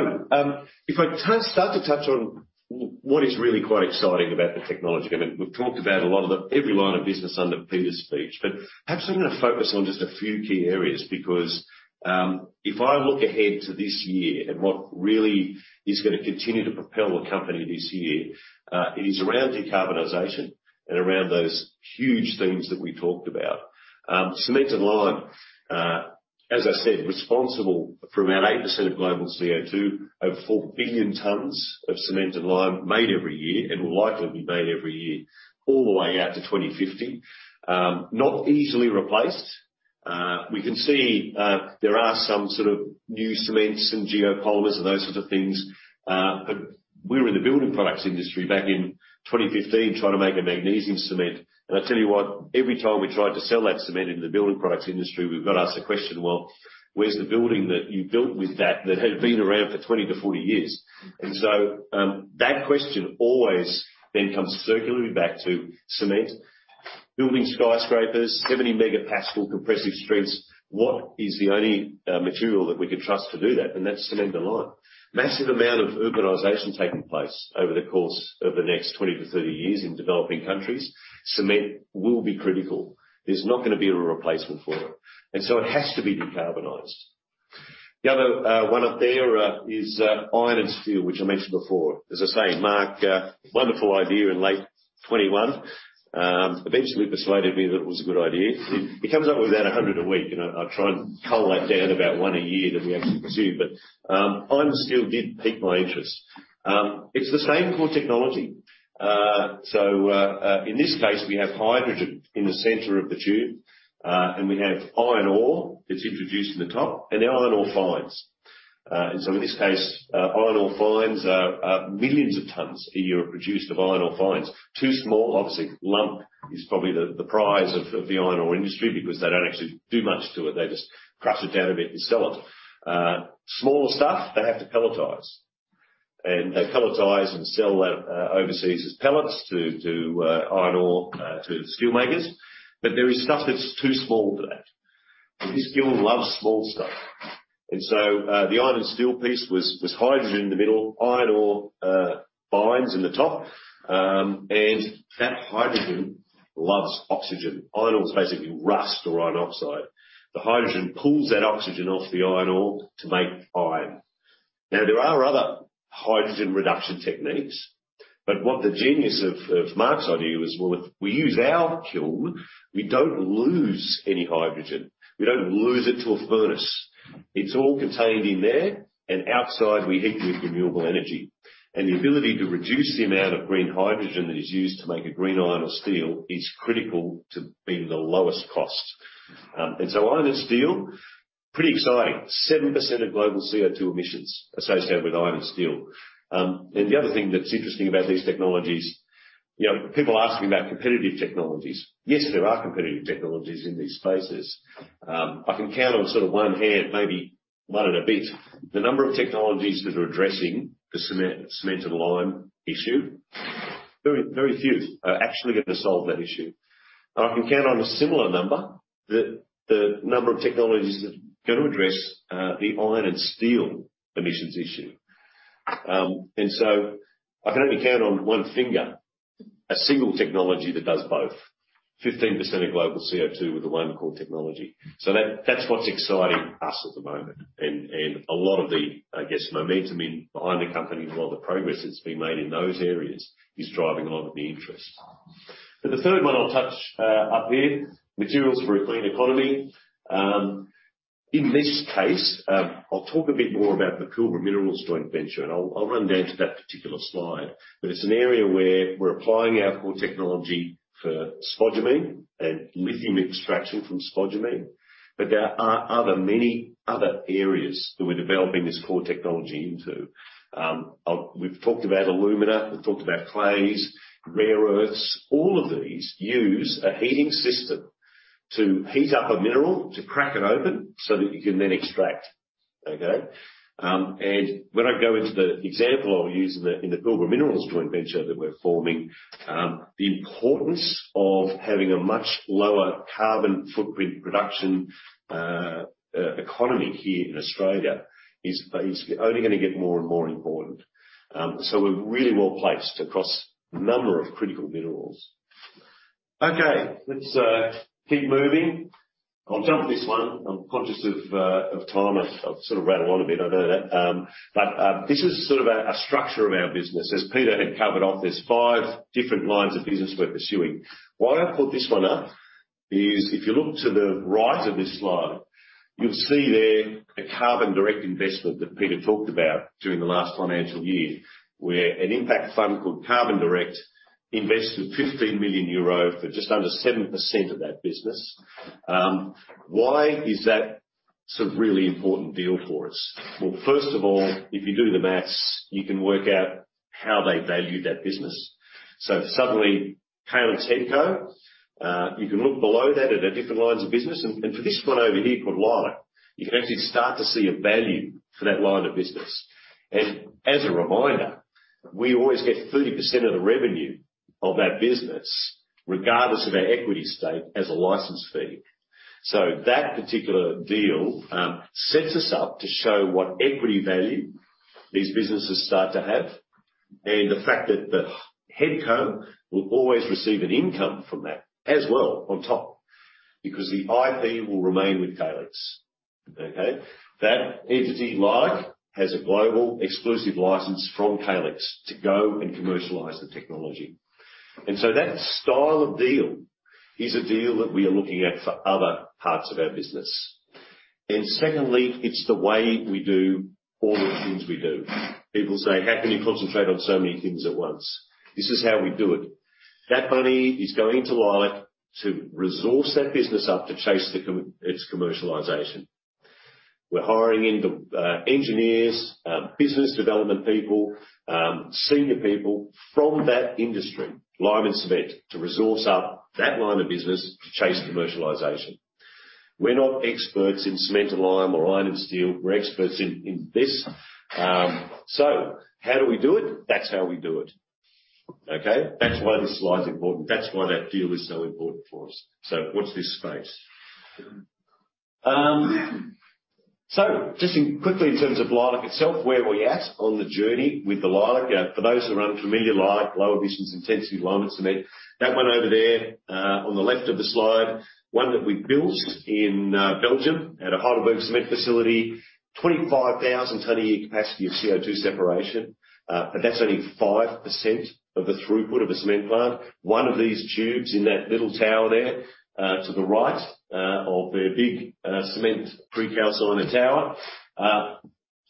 if I start to touch on what is really quite exciting about the technology, I mean, we've talked about a lot of the, every line of business under Peter's speech, but perhaps I'm going to focus on just a few key areas because, if I look ahead to this year and what really is going to continue to propel the company this year, is around decarbonization. Around those huge things that we talked about. Cement and lime, as I said, responsible for about 8% of global CO₂. Over 4 billion tons of cement and lime made every year and will likely be made every year all the way out to 2050. Not easily replaced. We can see, there are some sort of new cements and geopolymers and those sorts of things. We were in the building products industry back in 2015 trying to make a magnesium cement. I tell you what, every time we tried to sell that cement in the building products industry, we got asked the question, well, where's the building that you built with that? That had been around for 20-40 years. That question always then comes circularly back to cement. Building skyscrapers, 70 megapascal compressive strengths. What is the only material that we can trust to do that? That's cement and lime. Massive amount of urbanization taking place over the course of the next 20-30 years in developing countries. Cement will be critical. There's not going to be a replacement for it, and so it has to be decarbonized. The other one up there is iron and steel, which I mentioned before. As I say, Mark, wonderful idea in late 2021. Eventually persuaded me that it was a good idea. He comes up with about 100 a week and I try and cull that down about one a year that we actually pursue. Iron and steel did pique my interest. It's the same core technology. In this case, we have hydrogen in the center of the tube, and we have iron ore that's introduced in the top, and the iron ore fines. Iron ore fines are millions of tons a year are produced of iron ore fines. Too small, obviously, lump is probably the prize of the iron ore industry because they don't actually do much to it. They just crush it down a bit and sell it. Smaller stuff, they have to pelletize. They pelletize and sell that overseas as pellets to iron ore to the steel makers. There is stuff that's too small for that. This kiln loves small stuff. The iron and steel piece was hydrogen in the middle, iron ore fines in the top. That hydrogen loves oxygen. Iron ore's basically rust or iron oxide. The hydrogen pulls that oxygen off the iron ore to make iron. Now, there are other hydrogen reduction techniques, but what the genius of Mark's idea was, well, if we use our kiln, we don't lose any hydrogen. We don't lose it to a furnace. It's all contained in there, and outside we heat with renewable energy. The ability to reduce the amount of green hydrogen that is used to make a green iron or steel is critical to being the lowest cost. Iron and steel, pretty exciting. 7% of global CO₂ emissions associated with iron and steel. The other thing that's interesting about these technologies, you know, people ask me about competitive technologies. Yes, there are competitive technologies in these spaces. I can count on sort of one hand, maybe one and a bit, the number of technologies that are addressing the cement and lime issue. Very, very few are actually going to solve that issue. I can count on a similar number that the number of technologies that are going to address the iron and steel emissions issue. I can only count on one finger, a single technology that does both. 15% of global CO₂ with the one called technology. That's what's exciting us at the moment. A lot of the momentum behind the company and a lot of the progress that's been made in those areas is driving a lot of the interest. The third one I'll touch on up there, materials for a clean economy. In this case, I'll talk a bit more about the Pilbara Minerals joint venture, and I'll run down to that particular slide. It's an area where we're applying our core technology for spodumene and lithium extraction from spodumene. There are many other areas that we're developing this core technology into. We've talked about Alumina, we've talked about clays, rare earths. All of these use a heating system to heat up a mineral to crack it open so that you can then extract. Okay? When I go into the example I'll use in the Pilbara Minerals joint venture that we're forming, the importance of having a much lower carbon footprint production economy here in Australia is basically only going to get more and more important. We're really well-placed across a number of critical minerals. Okay. Let's keep moving. I'll jump this one. I'm conscious of time. I've sort of rattled on a bit. I know that. This is sort of a structure of our business. As Peter had covered off, there's five different lines of business we're pursuing. Why I put this one up is if you look to the right of this slide, you'll see there a Carbon Direct investment that Peter talked about during the last financial year, where an impact fund called Carbon Direct invested 15 million euro for just under 7% of that business. Why is that sort of really important deal for us? Well, first of all, if you do the math, you can work out how they value that business. Suddenly, you can look below that at their different lines of business, and for this one over here called Lime, you can actually start to see a value for that line of business. As a reminder, we always get 30% of the revenue of that business, regardless of our equity stake, as a license fee. That particular deal sets us up to show what equity value these businesses start to have and the fact that the Head Co will always receive an income from that as well on top, because the IP will remain with Calix. Okay? That entity, Leilac, has a global exclusive license from Calix to go and commercialize the technology. That style of deal is a deal that we are looking at for other parts of our business. Secondly, it's the way we do all the things we do. People say, how can you concentrate on so many things at once? This is how we do it. That money is going to Leilac to resource that business up to chase its commercialization. We're hiring engineers, business development people, senior people from that industry, lime and cement, to resource up that line of business to chase commercialization. We're not experts in cement or lime or iron and steel. We're experts in this. How do we do it? That's how we do it. Okay. That's why this slide's important. That's why that deal is so important for us. Watch this space. Just quickly in terms of Leilac itself, where are we at on the journey with the Leilac? For those who are unfamiliar, Leilac, Low Emissions Intensity Lime and Cement. That one over there on the left of the slide, one that we built in Belgium at a HeidelbergCement facility. 25,000 tons per year capacity of CO₂ separation. That's only 5% of the throughput of a cement plant. One of these tubes in that little tower there, to the right, of the big, cement precalciner tower.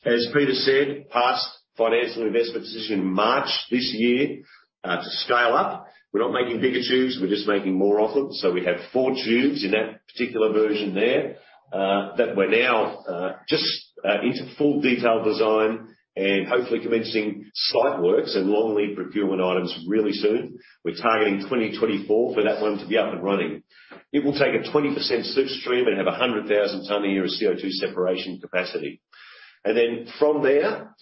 As Peter said, passed final investment decision in March this year, to scale up. We're not making bigger tubes, we're just making more of them. We have four tubes in that particular version there, that we're now just into full detailed design and hopefully commencing site works and long lead procurement items really soon. We're targeting 2024 for that one to be up and running. It will take a 20% slipstream and have a 100,000 tons a year of CO₂ separation capacity. Then from there,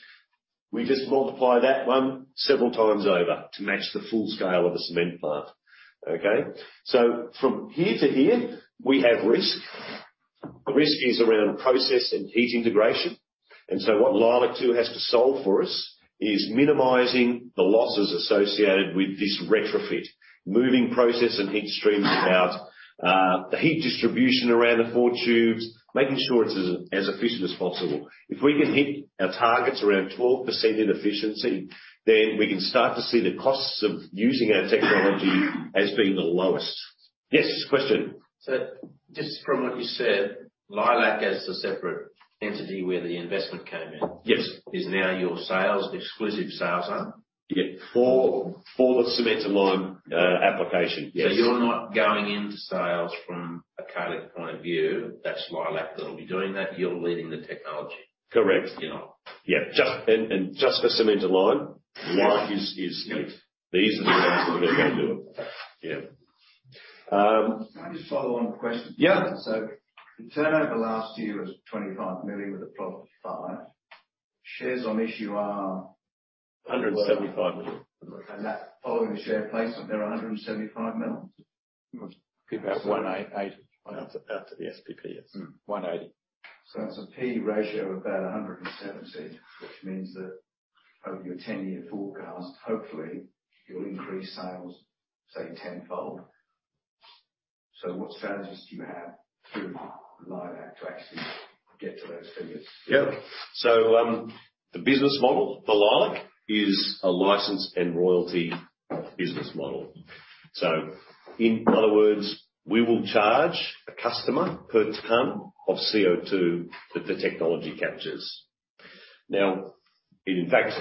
we just multiply that one several times over to match the full scale of a cement plant. Okay? From here to here, we have risk. Risk is around process and heat integration. What Leilac-2 has to solve for us is minimizing the losses associated with this retrofit. Moving process and heat streams about, the heat distribution around the four tubes, making sure it's as efficient as possible. If we can hit our targets around 12% in efficiency, then we can start to see the costs of using our technology as being the lowest. Yes, question. Just from what you said, Leilac as the separate entity where the investment came in. Yes. is now your sales, exclusive sales arm? Yeah. For the cement to lime application, yes. You're not going into sales from a Calix point of view. That's Leilac that'll be doing that. You're leading the technology. Correct. You're not. Yeah. Just for cement to lime- Yeah. Leilac is lead. They are the ones that are going to do it. Yeah. Can I just follow on with a question? Yeah. The turnover last year was 25 million, with a profit of 5 million. Shares on issue are? 175 million. Following the share placement, there are 175 million? About 180 million. After the SPP, it's 180 million. That's a P/E ratio of about 117, which means that over your 10-year forecast, hopefully you'll increase sales, say 10-fold. What strategies do you have through Leilac to actually get to those figures? The business model for Leilac is a license and royalty business model. In other words, we will charge a customer per ton of CO₂ that the technology captures. In fact,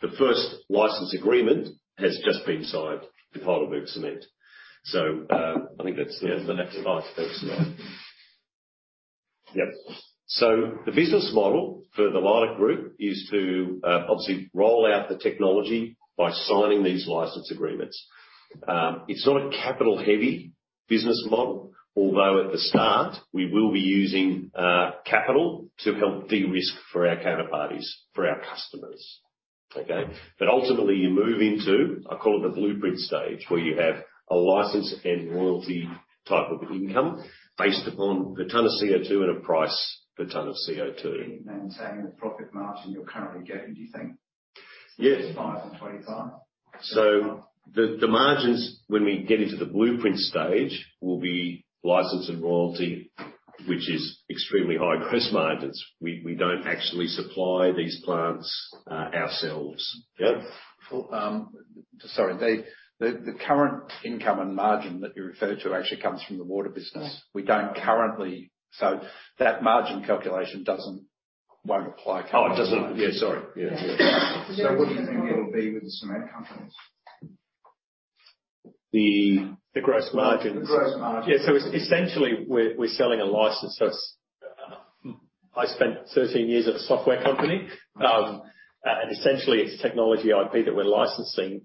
the first license agreement has just been signed with HeidelbergCement. I think that's the- Yeah. Next slide. Thanks, Neil. Yep. The business model for the Leilac group is to obviously roll out the technology by signing these license agreements. It's not a capital-heavy business model, although at the start we will be using capital to help de-risk for our counterparties, for our customers. Okay? Ultimately, you move into, I call it the blueprint stage, where you have a license and royalty type of income based upon the ton of CO₂ at a price per ton of CO₂. Maintaining the profit margin you're currently getting, do you think? Yes. 5 and 25. The margins when we get into the blueprint stage will be license and royalty, which is extremely high gross margins. We don't actually supply these plants, ourselves. Yeah. Sorry. The current income and margin that you refer to actually comes from the Water business. That margin calculation won't apply to- Yeah. Sorry. Yeah. What do you think it'll be with the cement companies? The- The gross margins. The gross margins. Yeah. Essentially, we're selling a license. I spent 13 years at a software company, and essentially it's technology IP that we're licensing.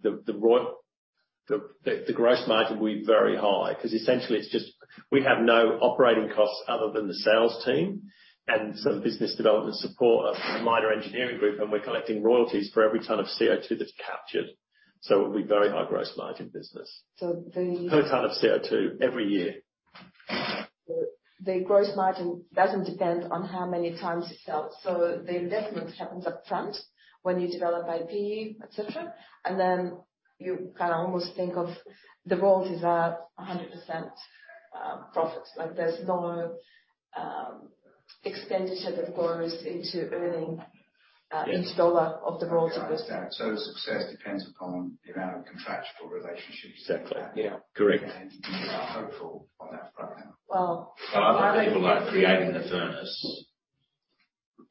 The gross margin will be very high because essentially it's just we have no operating costs other than the sales team and some business development support, a minor engineering group. We're collecting royalties for every ton of CO₂ that's captured. It'll be very high gross margin business. So the- Per ton of CO₂ every year. The gross margin doesn't depend on how many times it's sold. The investment happens up front when you develop IP, et cetera, and then you kind of almost think of the royalties are 100% profits. Like, there's no expenditure that goes into earning installer of the rolls. I understand. The success depends upon the amount of contractual relationships you have. Exactly. Yeah. Correct. We are hopeful on that front now. Well- Other people are creating the furnace.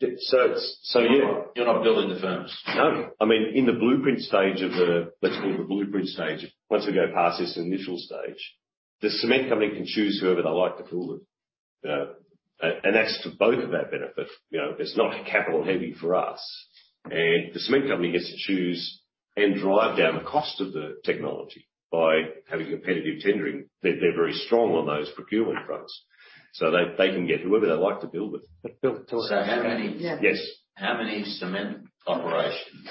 Yeah. You're not building the furnace. No. I mean, in the blueprint stage of the... let's call it the blueprint stage, once we go past this initial stage, the cement company can choose whoever they like to build it. And that's to both of our benefit. You know, it's not capital heavy for us, and the cement company gets to choose and drive down the cost of the technology by having competitive tendering. They're very strong on those procurement fronts, so they can get whoever they like to build it. Phil, tell us. Yeah. Yes. How many cement operations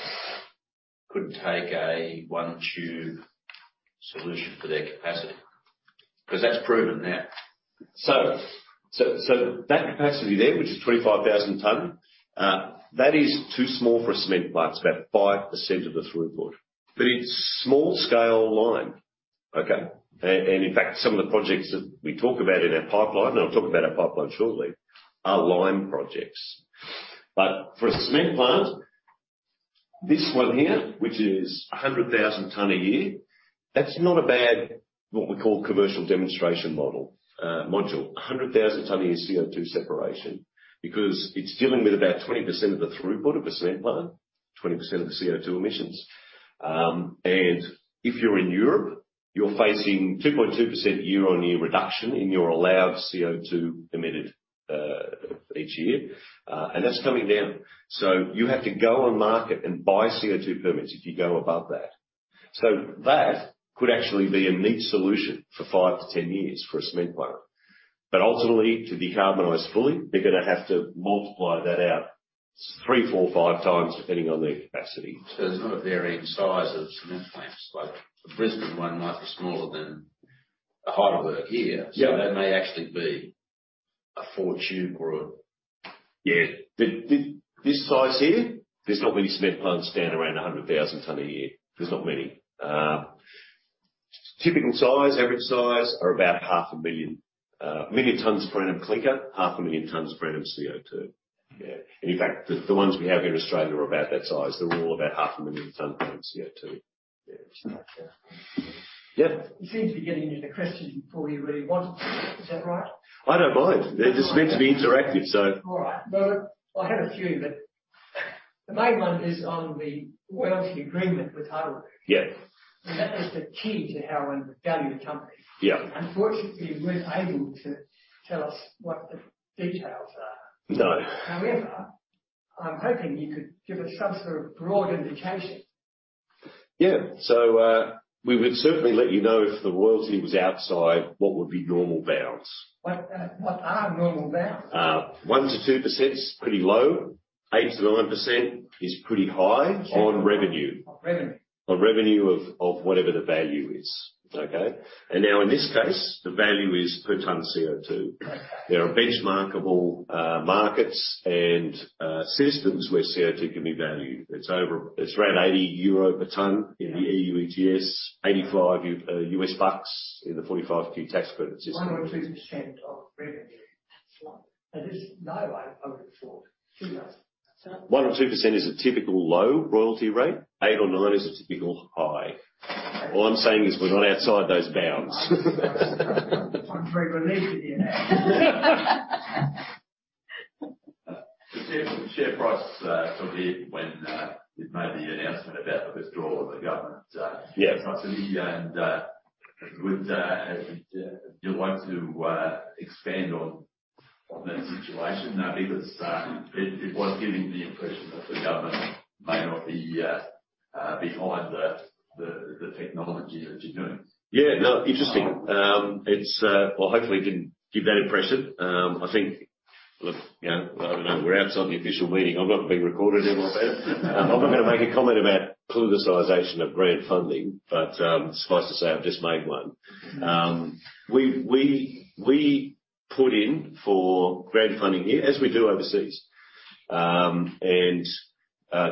could take a one-tube solution for their capacity? Because that's proven now. That capacity there, which is 25,000 tons, is too small for a cement plant. It's about 5% of the throughput. It's small-scale lime. Okay. In fact, some of the projects that we talk about in our pipeline, and I'll talk about our pipeline shortly, are lime projects. For a cement plant, this one here, which is 100,000 tons a year, that's not a bad, what we call commercial demonstration model, module. 100,000 tons a year CO₂ separation, because it's dealing with about 20% of the throughput of a cement plant, 20% of the CO₂ emissions. If you're in Europe, you're facing 2.2% year-on-year reduction in your allowed CO₂ emitted each year. That's coming down. You have to go on market and buy CO₂ permits if you go above that. That could actually be a neat solution for five to 10 years for a cement plant. Ultimately, to decarbonize fully, they're going to have to multiply that out 3x, 4x, 5x, depending on their capacity. There's not a varying size of cement plants. Like, the Brisbane one might be smaller than the Heidelberg here. Yeah. That may actually be a four tube or a- Yeah. This size here, there's not many cement plants standing around 100,000 tons a year. There's not many. Typical size, average size are about 500,000, 1 million tons per annum clinker, 500,000 tons per annum CO₂. Yeah. In fact, the ones we have here in Australia are about that size. They're all about 500,000 tons per annum CO₂. Yeah. Yeah. You seem to be getting into the questioning before you really want to. Is that right? I don't mind. They're just meant to be interactive, so. All right. No, I have a few, but the main one is on the royalty agreement with Heidelberg. Yeah. That is the key to how one would value the company. Yeah. Unfortunately, you weren't able to tell us what the details are. No. However, I'm hoping you could give us some sort of broad indication. We would certainly let you know if the royalty was outside what would be normal bounds. What are normal bounds? 1%-2% is pretty low. 8%-9% is pretty high on revenue. On revenue? On revenue of whatever the value is. Okay? Now in this case, the value is per ton of CO₂. Okay. There are benchmarkable markets and systems where CO₂ can be valued. It's around 80 euro per ton in the EU ETS, AUD 85 in the 45Q tax credit system. 1% or 2% of revenue. That's 1%. There's no way I would have thought 2%, is that it? 1% or 2% is a typical low royalty rate. 8% or 9% is a typical high. All I'm saying is we're not outside those bounds. I'm very relieved to hear that. The share price fell a bit when you'd made the announcement about the withdrawal of the government- Yeah. Would you like to expand on that situation? Because it was giving the impression that the government may not be behind the technology that you're doing. Yeah. No. Interesting. Well, hopefully it didn't give that impression. I think, look, you know, I don't know. We're outside the official meeting. I'm not being recorded anymore. I'm not going to make a comment about politicization of grant funding, but suffice to say, I've just made one. We put in for grant funding here, as we do overseas.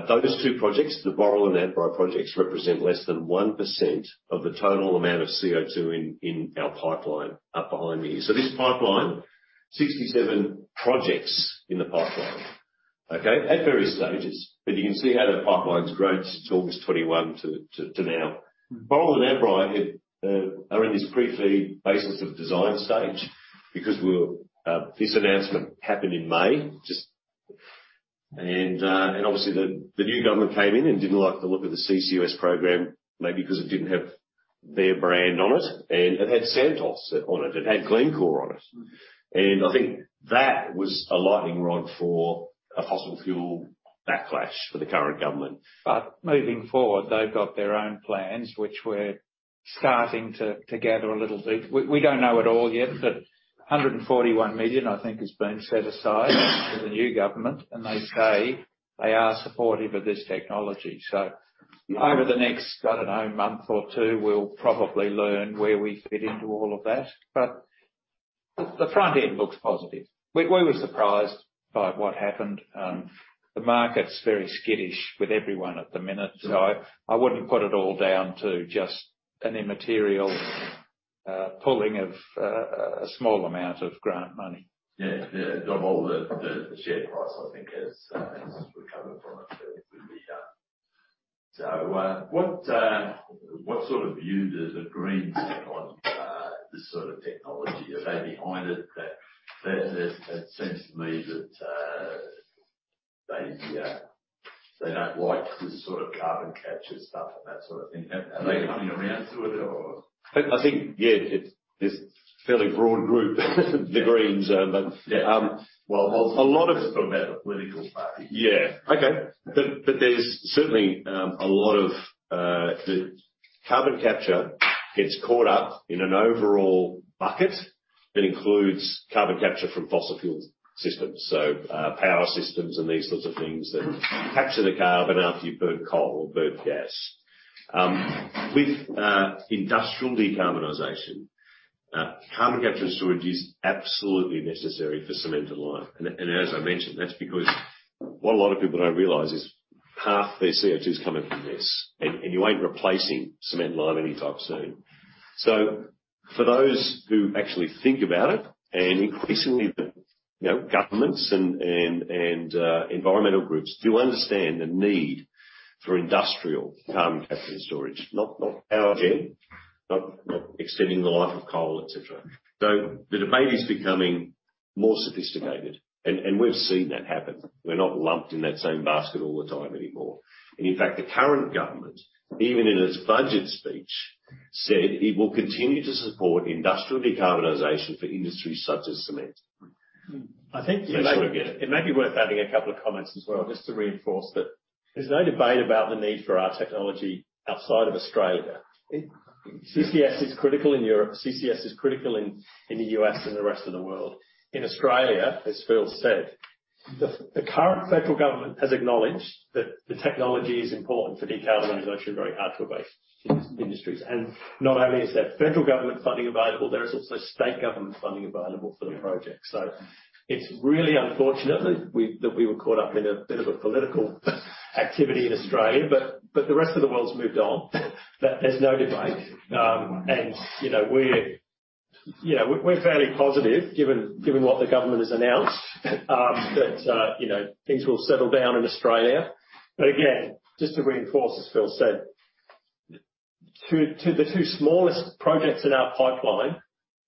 Those two projects, the Boral and Adbri projects, represent less than 1% of the total amount of CO₂ in our pipeline up behind me. This pipeline, 67 projects in the pipeline, okay? At various stages. You can see how the pipeline's grown since August 2021 to now. Boral and Adbri are in this pre-FEED basis of design stage because this announcement happened in May. Obviously the new government came in and didn't like the look of the CCUS program, maybe because it didn't have their brand on it, and it had Santos on it had Glencore on it. I think that was a lightning rod for a fossil fuel backlash for the current government. Moving forward, they've got their own plans, which we're starting to gather a little bit. We don't know it all yet, but 141 million, I think, has been set aside for the new government, and they say they are supportive of this technology. Over the next, I don't know, month or two, we'll probably learn where we fit into all of that. The front end looks positive. We were surprised by what happened. The market's very skittish with everyone at the minute. I wouldn't put it all down to just an immaterial pulling in a small amount of grant money. Yeah, yeah. The whole, the share price, I think, has recovered from it. What sort of view does the Greens take on this sort of technology? Are they behind it? That seems to me that they don't like this sort of carbon capture stuff and that sort of thing. Are they coming around to it or? I think, yeah, it's this fairly broad group, the Greens. Yeah. Well, I'm talking about the political party. Yeah. Okay. There's certainly a lot of the carbon capture gets caught up in an overall bucket that includes carbon capture from fossil fuel systems, so power systems and these sorts of things that capture the carbon after you've burned coal or burned gas. With industrial decarbonization, carbon capture and storage is absolutely necessary for cement and lime. As I mentioned, that's because what a lot of people don't realize is half their CO₂ is coming from this, and you ain't replacing cement and lime anytime soon. For those who actually think about it, and increasingly, you know, governments and environmental groups do understand the need for industrial carbon capture and storage, not power gen, not extending the life of coal, et cetera. The debate is becoming more sophisticated, and we've seen that happen. We're not lumped in that same basket all the time anymore. In fact, the current government, even in its budget speech, said it will continue to support industrial decarbonization for industries such as cement. Mm-hmm. That's where we get it. I think it may be worth adding a couple of comments as well, just to reinforce that there's no debate about the need for our technology outside of Australia. CCS is critical in Europe. CCS is critical in the U.S. and the rest of the world. In Australia, as Phil said, the current federal government has acknowledged that the technology is important for decarbonization of very hard-to-abate industries. Not only is there federal government funding available, there is also state government funding available for the project. It's really unfortunate that we were caught up in a bit of a political activity in Australia, but the rest of the world has moved on. That there's no debate. You know, we're fairly positive given what the government has announced that you know things will settle down in Australia. Again, just to reinforce, as Phil said, that the two smallest projects in our pipeline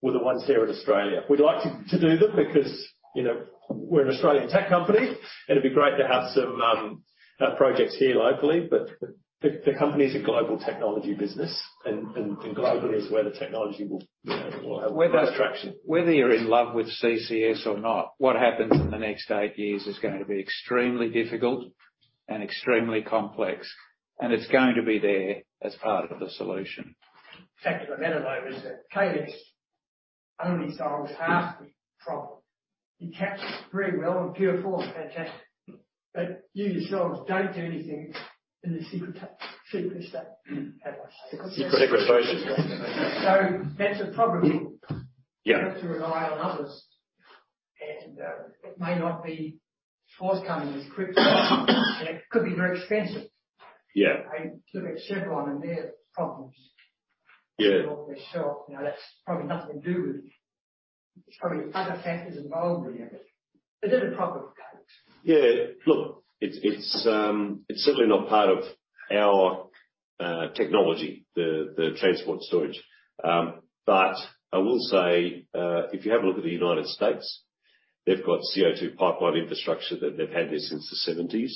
were the ones here in Australia. We'd like to do them because you know we're an Australian tech company, and it'd be great to have some projects here locally. The company is a Global Technology business, and global is where the technology will you know have more traction. Whether you're in love with CCS or not, what happens in the next eight years is going to be extremely difficult and extremely complex, and it's going to be there as part of the solution. The fact of the matter, though, is that Calix only solves half the problem. It captures very well, in pure form, fantastic. You yourselves don't do anything in the sequestration, how do I say it? Sequestration. That's a problem. Yeah. You have to rely on others. It may not be forthcoming as quick, and it could be very expensive. Yeah. Like, look at Chevron and their problems. Yeah. You know, off the shelf. You know, that's probably nothing to do with it. It's probably other factors involved in it. Is it a problem for Calix? Yeah. Look, it's certainly not part of our technology, the transport storage. I will say, if you have a look at the United States, they've got CO₂ pipeline infrastructure that they've had there since the 70s.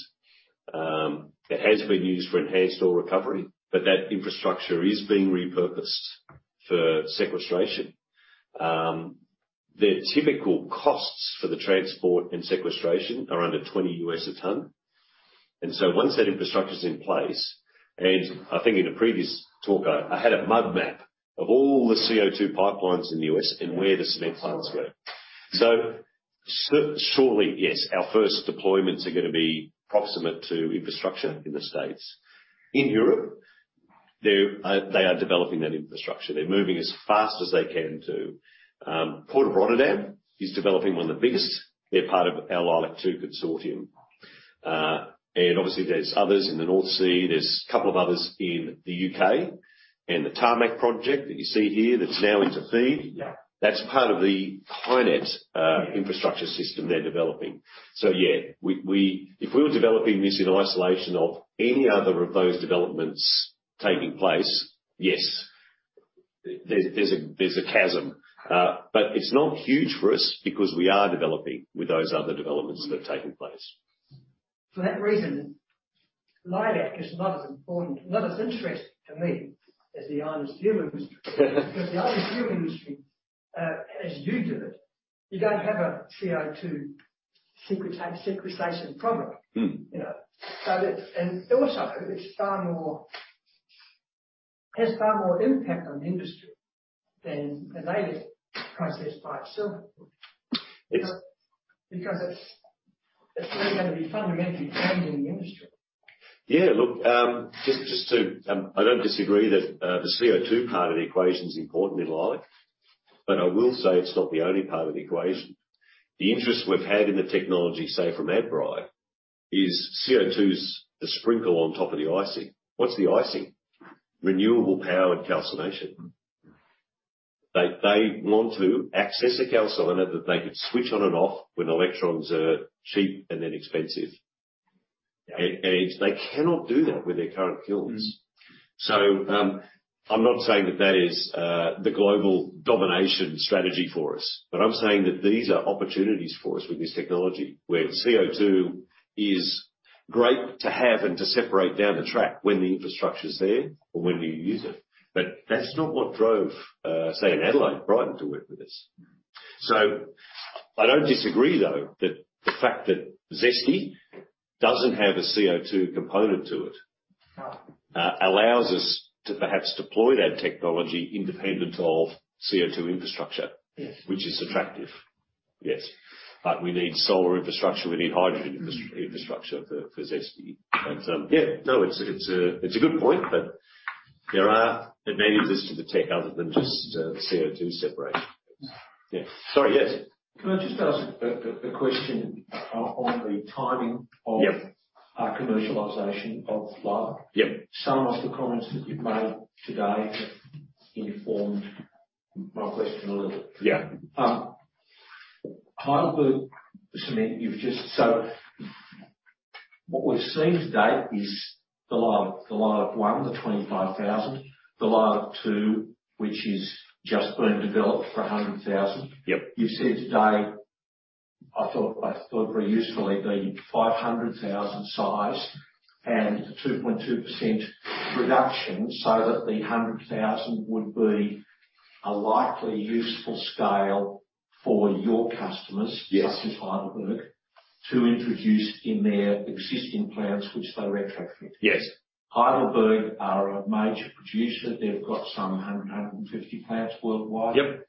It has been used for enhanced oil recovery, but that infrastructure is being repurposed for sequestration. Their typical costs for the transport and sequestration are under 20 a ton. Once that infrastructure is in place, and I think in a previous talk, I had a mud map of all the CO₂ pipelines in the U.S. and where the cement plants were. Shortly, yes, our first deployments are going to be proximate to infrastructure in the States. In Europe, they are developing that infrastructure. They're moving as fast as they can to Port of Rotterdam is developing one of the biggest. They're part of our Leilac-2 consortium. Obviously, there's others in the North Sea. There's a couple of others in the U.K., and the Tarmac project that you see here that's now into FEED. That's part of the HyNet infrastructure system they're developing. Yeah, if we were developing this in isolation of any other of those developments taking place, yes, there's a chasm. But it's not huge for us because we are developing with those other developments that have taken place. For that reason, Leilac is not as important, not as interesting to me as the iron and steel industry. Because the iron and steel industry, as you do it, you don't have a CO₂ sequestration problem. Mm. You know. It has far more impact on the industry than the Leilac process by itself. It's- Because it's really going to be fundamentally changing the industry. Yeah. Look, just to, I don't disagree that the CO₂ part of the equation is important in Leilac. I will say it's not the only part of the equation. The interest we've had in the technology, say from Adbri, is CO₂'s the sprinkle on top of the icing. What's the icing? Renewable power and calcination. They want to access a calciner that they could switch on and off when electrons are cheap and then expensive. Yeah. They cannot do that with their current kilns. Mm-hmm. I'm not saying that that is the global domination strategy for us, but I'm saying that these are opportunities for us with this technology, where CO₂ is great to have and to separate down the track when the infrastructure's there or when you use it. That's not what drove, say in Adelaide Brighton to work with us. I don't disagree though, that the fact that ZESTY doesn't have a CO₂ component to it. Oh.... allows us to perhaps deploy that technology independent of CO₂ infrastructure. Yes. Which is attractive. Yes. We need solar infrastructure. We need hydrogen infrastructure for ZESTY. Yeah, no, it's a good point, but there are advantages to the tech other than just the CO₂ separation. Yeah. Sorry. Yes. Can I just ask a question on the timing of- Yeah. Our commercialization of Leilac? Yep. Some of the comments that you've made today have informed my question a little bit. Yeah. HeidelbergCement. What we've seen to date is the Leilac, the Leilac-1, the 25,000, the Leilac-2, which has just been developed for 100,000. Yep. You've said today, I thought very usefully the 500,000 size and 2.2% reduction so that the 100,000 would be a likely useful scale for your customers- Yes.... such as Heidelberg, to introduce in their existing plants which they retrofit- Yes.... Heidelberg are a major producer. They've got some 150 plants worldwide. Yep.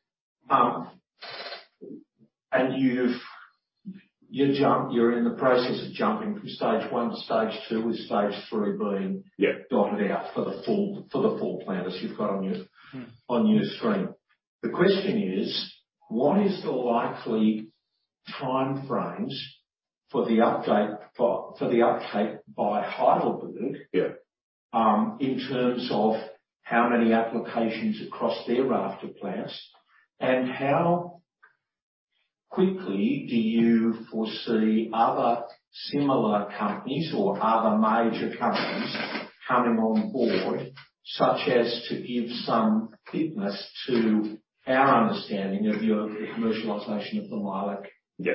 You're in the process of jumping from Stage 1 to Stage 2, with Stage 3 being- Yeah. ...thought out for the full plan as you've got on your screen. The question is: What is the likely time frames for the update for the uptake by Heidelberg- Yeah. In terms of how many applications across their raft of plants, and how quickly do you foresee other similar companies or other major companies coming on board, such as to give some fitness to our understanding of the commercialization of the Leilac- Yeah....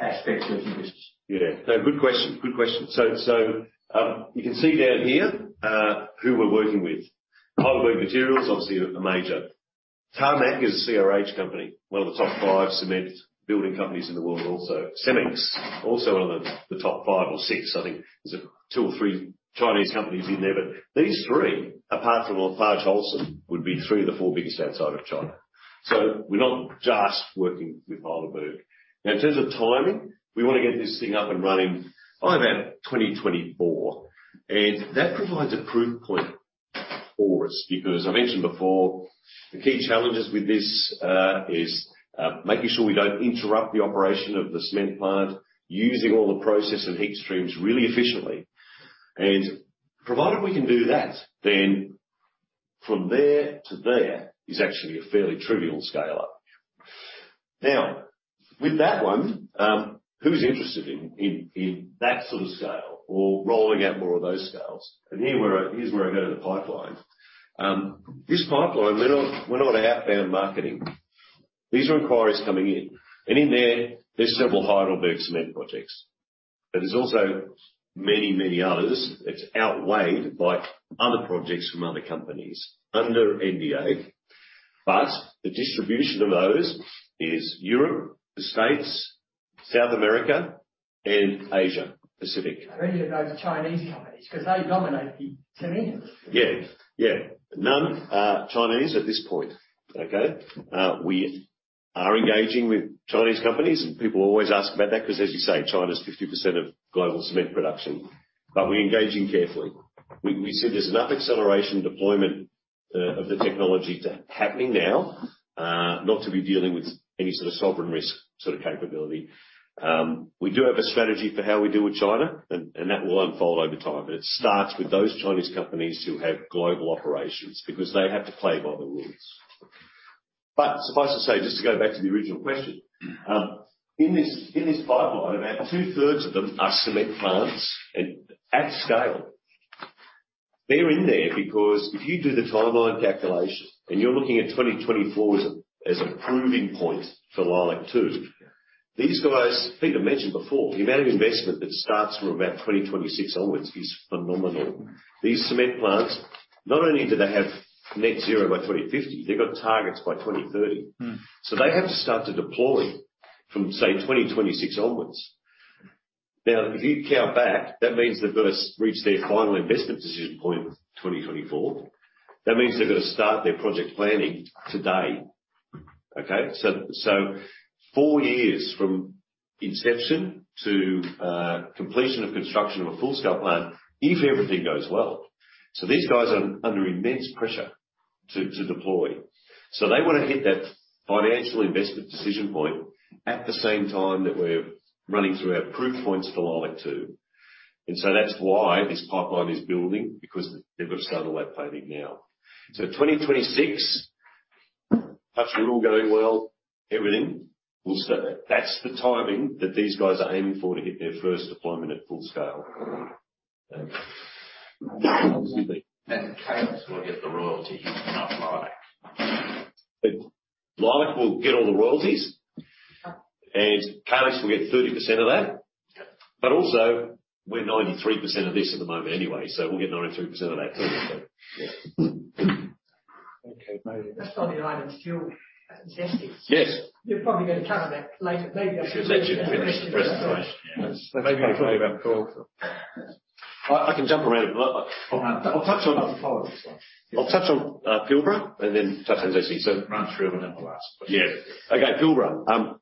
aspects of your business? Yeah. No. Good question. So, you can see down here who we're working with. Heidelberg Materials, obviously a major. Tarmac is a CRH company, one of the top five cement building companies in the world also. Cemex, also one of the top five or six. I think there's, like, two or three Chinese companies in there, but these three, apart from LafargeHolcim, would be three of the four biggest outside of China. We're not just working with Heidelberg. Now, in terms of timing, we want to get this thing up and running by about 2024. That provides a proof point for us, because I mentioned before, the key challenges with this is making sure we don't interrupt the operation of the cement plant, using all the process and heat streams really efficiently. Provided we can do that, then from there to there is actually a fairly trivial scale-up. Now, with that one, who's interested in that sort of scale or rolling out more of those scales? Here's where I go to the pipeline. This pipeline, we're not outbound marketing. These are inquiries coming in. In there's several HeidelbergCement projects, but there's also many, many others. It's outweighed by other projects from other companies under NDA. The distribution of those is Europe, the States, South America, and Asia Pacific. Are any of those Chinese companies, because they dominate the cement? Yeah. Yeah. None are Chinese at this point. Okay? We are engaging with Chinese companies, and people always ask about that because as you say, China's 50% of global cement production. We're engaging carefully. We see there's enough acceleration deployment of the technology happening now, not to be dealing with any sort of sovereign risk sort of capability. We do have a strategy for how we deal with China and that will unfold over time, and it starts with those Chinese companies who have global operations because they have to play by the rules. Suffice to say, just to go back to the original question, in this pipeline, about two-thirds of them are cement plants and at scale. They're in there because if you do the timeline calculation, and you're looking at 2024 as a proving point for Leilac-2. These guys, I think I mentioned before, the amount of investment that starts from about 2026 onwards is phenomenal. These cement plants, not only do they have net zero by 2050, they've got targets by 2030. Mm. They have to start to deploy from, say, 2026 onwards. Now, if you count back, that means they've got to reach their final investment decision point 2024. That means they've got to start their project planning today. Okay? Four years from inception to completion of construction of a full-scale plant, if everything goes well. These guys are under immense pressure to deploy. They want to hit that financial investment decision point at the same time that we're running through our proof points for Leilac-2. That's why this pipeline is building, because they've got to start all that planning now. 2026, touch wood, all going well, everything will start. That's the timing that these guys are aiming for to hit their first deployment at full scale. Calix will get the royalty and not Leilac? Leilac will get all the royalties. Calix will get 30% of that. Okay. And also, we're 93% of this at the moment anyway, so we'll get 93% of that, too. Okay. That's only item still testing. Yes. You're probably going to cover that later. Let me finish the presentation. There may be a few around the corner. I can jump around. I'll touch on. Follow this one. I'll touch on Pilbara, and then touch on Jesse. Run through, and then the last question. Yeah. Okay, Pilbara.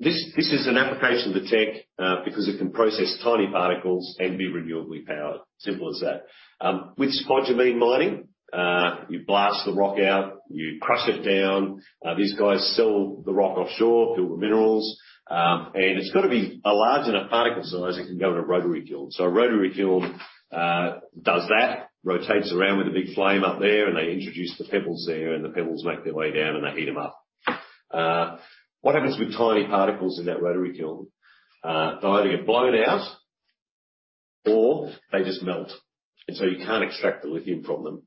This is an application of the tech, because it can process tiny particles and be renewably powered. Simple as that. With spodumene mining, you blast the rock out, you crush it down. These guys sell the rock offshore, Pilbara Minerals. It's got to be a large enough particle size that can go in a rotary kiln. A rotary kiln does that. Rotates around with a big flame up there, and they introduce the pebbles there, and the pebbles make their way down, and they heat them up. What happens with tiny particles in that rotary kiln? They either get blown out or they just melt, and so you can't extract the lithium from them.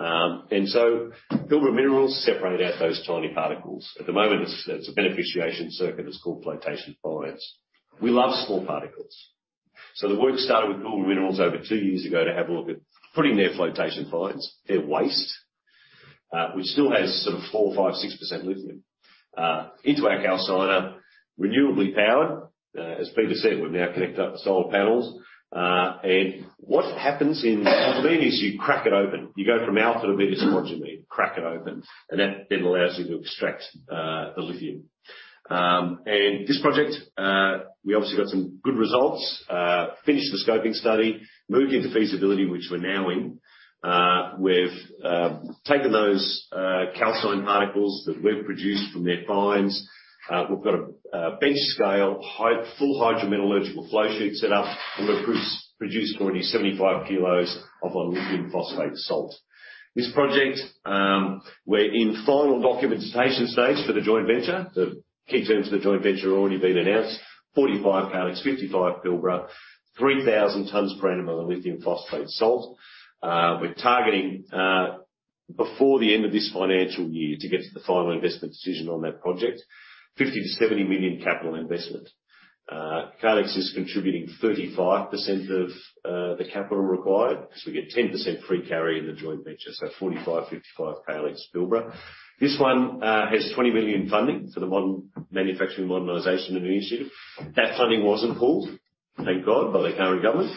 Pilbara Minerals separate out those tiny particles. At the moment, it's a beneficiation circuit. It's called flotation fines. We love small particles. The work started with Pilbara Minerals over two years ago to have a look at putting their flotation fines, their waste, which still has some 4%, 5%, 6% lithium, into our calciner, renewably powered. As Peter said, we've now connected up the solar panels. What happens in spodumene is you crack it open. You go from alpha to beta spodumene. Crack it open, and that then allows you to extract the lithium. This project, we obviously got some good results. Finished the scoping study, moved into feasibility, which we're now in. We've taken those calcine particles that we've produced from their fines. We've got a bench scale full hydrometallurgical flow sheet set up, and we've produced already 75 kilos of our lithium phosphate salt. This project, we're in final documentation stage for the joint venture. The key terms of the joint venture have already been announced. 45 Calix, 55 Pilbara, 3,000 tons per annum of the lithium phosphate salt. We're targeting before the end of this financial year to get to the final investment decision on that project. 50-70 million capital investment. Calix is contributing 35% of the capital required 'cause we get 10% free carry in the joint venture. 45, 55 Calix, Pilbara. This one has 20 million funding for the Modern Manufacturing Initiative. That funding wasn't pulled, thank God, by the current government.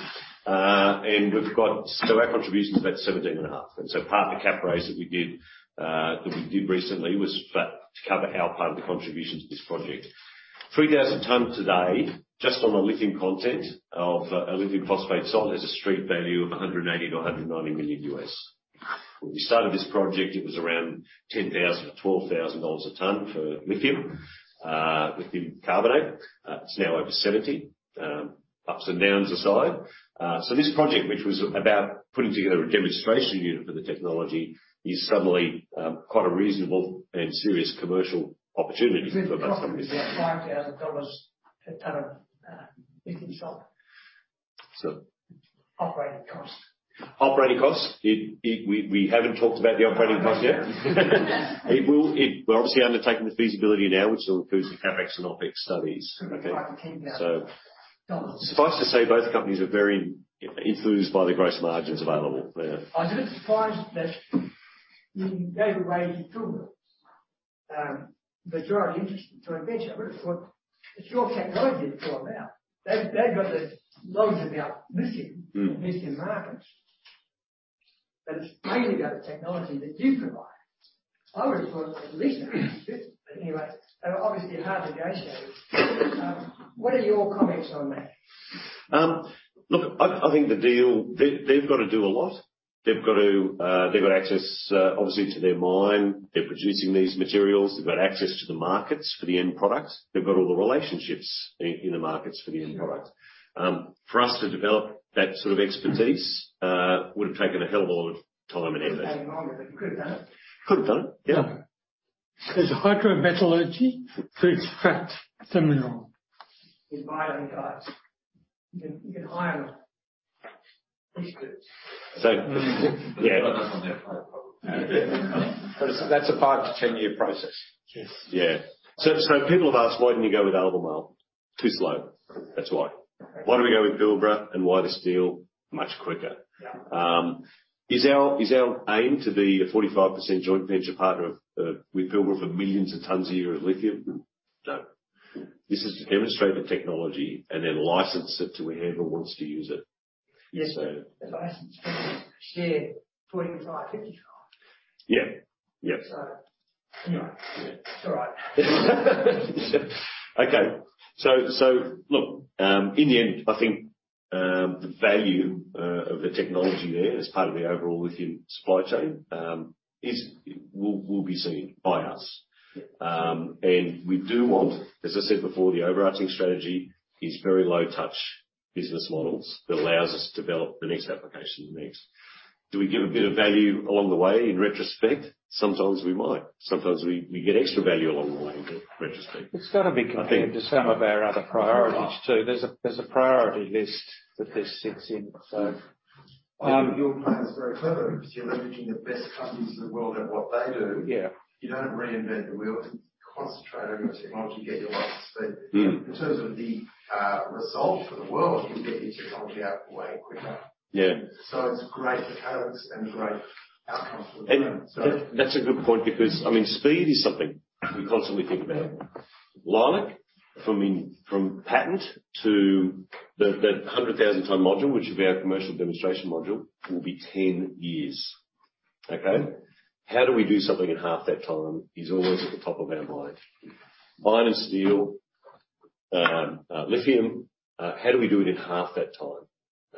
Our contribution is about 17.5 million. Part of the cap raise that we did recently was for to cover our part of the contribution to this project. 3,000 tons a day just on the lithium content of a lithium phosphate salt has a street value of 180 million-190 million. When we started this project, it was around AUD 10,000-$12,000 a ton for lithium carbonate. It's now over 70, ups and downs aside. This project, which was about putting together a demonstration unit for the technology, is suddenly quite a reasonable and serious commercial opportunity for both companies. AUD 5,000 a ton of lithium salt. So- Operating costs. Operating costs. We haven't talked about the operating costs yet. We're obviously undertaking the feasibility now, which will include the CapEx and OpEx studies. Okay. AUD 5,000 to AUD 10,000. Suffice to say, both companies are very influenced by the gross margins available. Yeah. I was a bit surprised that you gave away the toolbox. The joint interest, joint venture, I would have thought it's your technology it's all about. They've got the knowledge about lithium- Mm.... lithium markets. It's mainly about the technology that you provide. I would have thought at least half, but anyway. They were obviously hard to negotiate. What are your comments on that? Look, I think the deal, they've got to do a lot. They've got access, obviously, to their mine. They're producing these materials. They've got access to the markets for the end products. They've got all the relationships in the markets for the end products. For us to develop that sort of expertise would have taken a hell of a lot of time and effort. It would have taken longer, but you could have done it. Could have done it, yeah. Uses hydrometallurgy to extract some mineral. Is buying guides. You can hire them. Yeah. That's on their part. That's a five to 10-year process. Yes. People have asked, Why didn't you go with Albemarle? Too slow, that's why. Why don't we go with Pilbara and why this deal? Much quicker. Yeah. Is our aim to be the 45% joint venture partner with Pilbara for millions of tons a year of lithium? No. This is to demonstrate the technology and then license it to whoever wants to use it. Yes, but if I share 45, 55. Yeah. Yeah. Anyway. It's all right. Okay. Look, in the end, I think the value of the technology there as part of the overall lithium supply chain will be seen by us. Yeah. We do want, as I said before, the overarching strategy is very low touch business models that allows us to develop the next application next. Do we give a bit of value along the way in retrospect? Sometimes we might. Sometimes we get extra value along the way in retrospect. It's got to be compared to some of our other priorities, too. There's a priority list that this sits in. Your plan is very clever because you're leveraging the best companies in the world at what they do. Yeah. You don't reinvent the wheel, concentrate on your technology, get your life speed. Mm. In terms of the result for the world, you get your technology out the way quicker. Yeah. It's great for Pilbara and great outcome for the planet. That's a good point because, I mean, speed is something we constantly think about. Leilac from patent to the 100,000-ton module, which will be our commercial demonstration module, will be 10 years. Okay. How do we do something in half that time is always at the top of our mind. Iron and steel, lithium, how do we do it in half that time?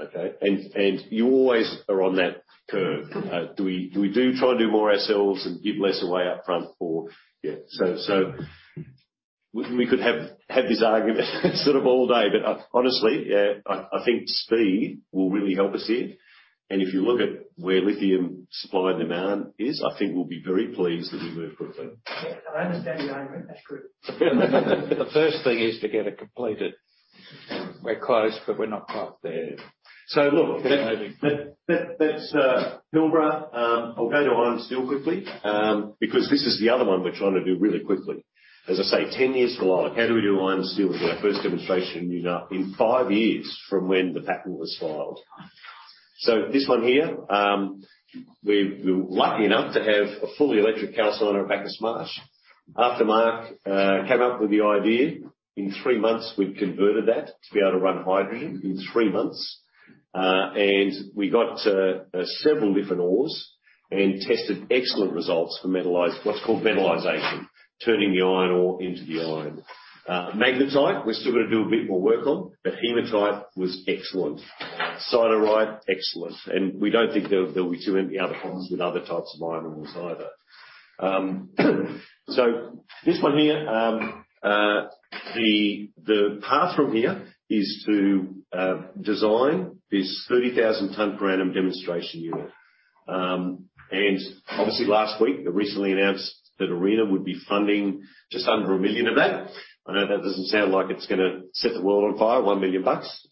Okay. You always are on that curve. Do we try and do more ourselves and give less away up front or? Yeah. We could have this argument sort of all day. Honestly, yeah, I think speed will really help us here. If you look at where lithium supply and demand is, I think we'll be very pleased that we moved quickly. Yeah. I understand your argument. That's good. The first thing is to get it completed. We're close, but we're not quite there. So look- Maybe. That's Pilbara. I'll go to iron and steel quickly, because this is the other one we're trying to do really quickly. As I say, 10 years for Leilac. How do we do iron and steel as our first demonstration unit in five years from when the patent was filed? This one here, we're lucky enough to have a fully electric calciner at Bacchus Marsh. After Mark came up with the idea, in three months, we'd converted that to be able to run hydrogen in three months. We got several different ores and tested excellent results for metallized, what's called metallization, turning the iron ore into the iron. Magnetite we're still going to do a bit more work on, but hematite was excellent. Siderite, excellent. We don't think there will be too many other problems with other types of iron ores either. This one here, the path from here is to design this 30,000 ton per annum demonstration unit. Obviously last week it recently announced that ARENA would be funding just under 1 million of that. I know that doesn't sound like it's going to set the world on fire, 1 million bucks.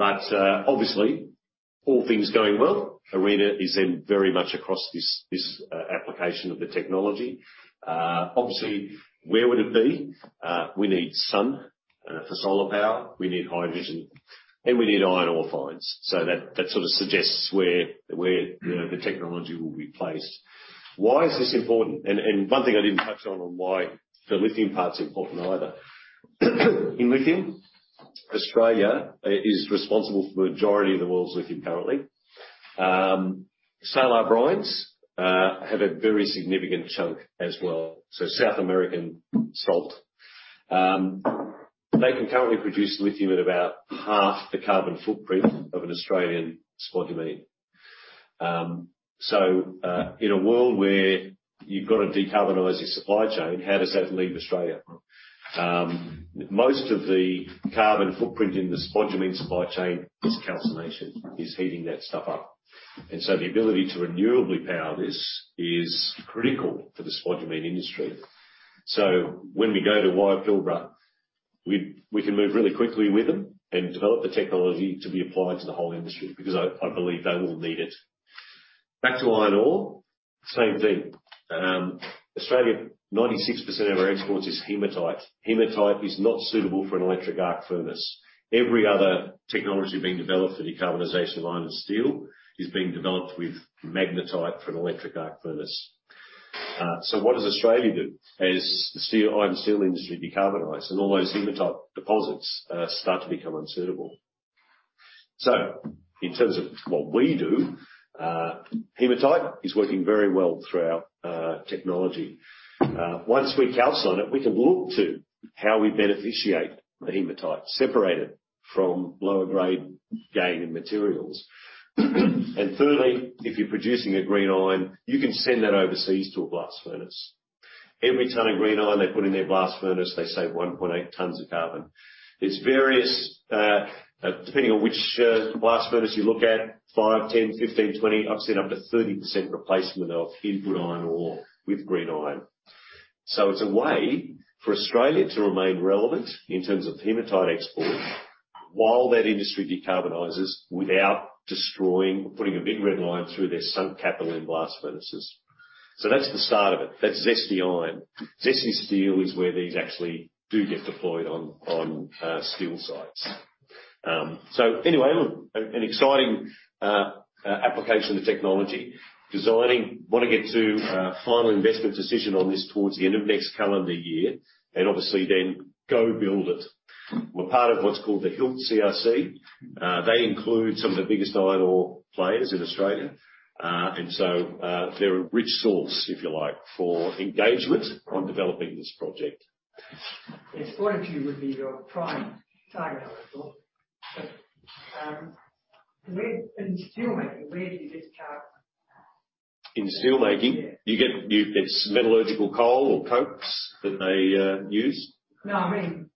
Obviously all things going well, ARENA is then very much across this application of the technology. Where would it be? We need sun for solar power, we need hydrogen, and we need iron ore fines. That sort of suggests where the technology will be placed. Why is this important? One thing I didn't touch on why the lithium part's important either. In lithium, Australia is responsible for majority of the world's lithium currently. Salar brines have a very significant chunk as well. So South American salt. They can currently produce lithium at about half the carbon footprint of an Australian spodumene. So in a world where you've got to decarbonize your supply chain, how does that leave Australia? Most of the carbon footprint in the spodumene supply chain is calcination, is heating that stuff up. The ability to renewably power this is critical for the spodumene industry. When we go to Pilbara, we can move really quickly with them and develop the technology to be applied to the whole industry because I believe they will need it. Back to iron ore, same thing. Australia, 96% of our exports is hematite. Hematite is not suitable for an electric arc furnace. Every other technology being developed for decarbonization of iron and steel is being developed with magnetite for an electric arc furnace. What does Australia do as the steel, iron and steel industry decarbonize and all those hematite deposits start to become unsuitable? In terms of what we do, hematite is working very well through our technology. Once we calcine it, we can look to how we beneficiate the hematite, separate it from lower grade gangue materials. Thirdly, if you're producing a green iron, you can send that overseas to a blast furnace. Every ton of green iron they put in their blast furnace, they save 1.8 tons of carbon. There's various depending on which blast furnace you look at, 5, 10, 15, 20, I've seen up to 30% replacement of input iron ore with green iron. It's a way for Australia to remain relevant in terms of hematite exports while that industry decarbonizes without destroying or putting a big red line through their sunk capital in blast furnaces. That's the start of it. That's ZESTY iron. ZESTY steel is where these actually do get deployed on steel sites. Anyway, look, an exciting application of the technology. Designing. Wanna get to final investment decision on this towards the end of next calendar year, and obviously then go build it. We're part of what's called the HILT CRC. They include some of the biggest iron ore players in Australia. They're a rich source, if you like, for engagement on developing this project. Yes. Quite a few would be your prime target but, in steel making, where do you get your carbon? In steel making? Yeah. It's metallurgical coal or coats that they use. No, I mean,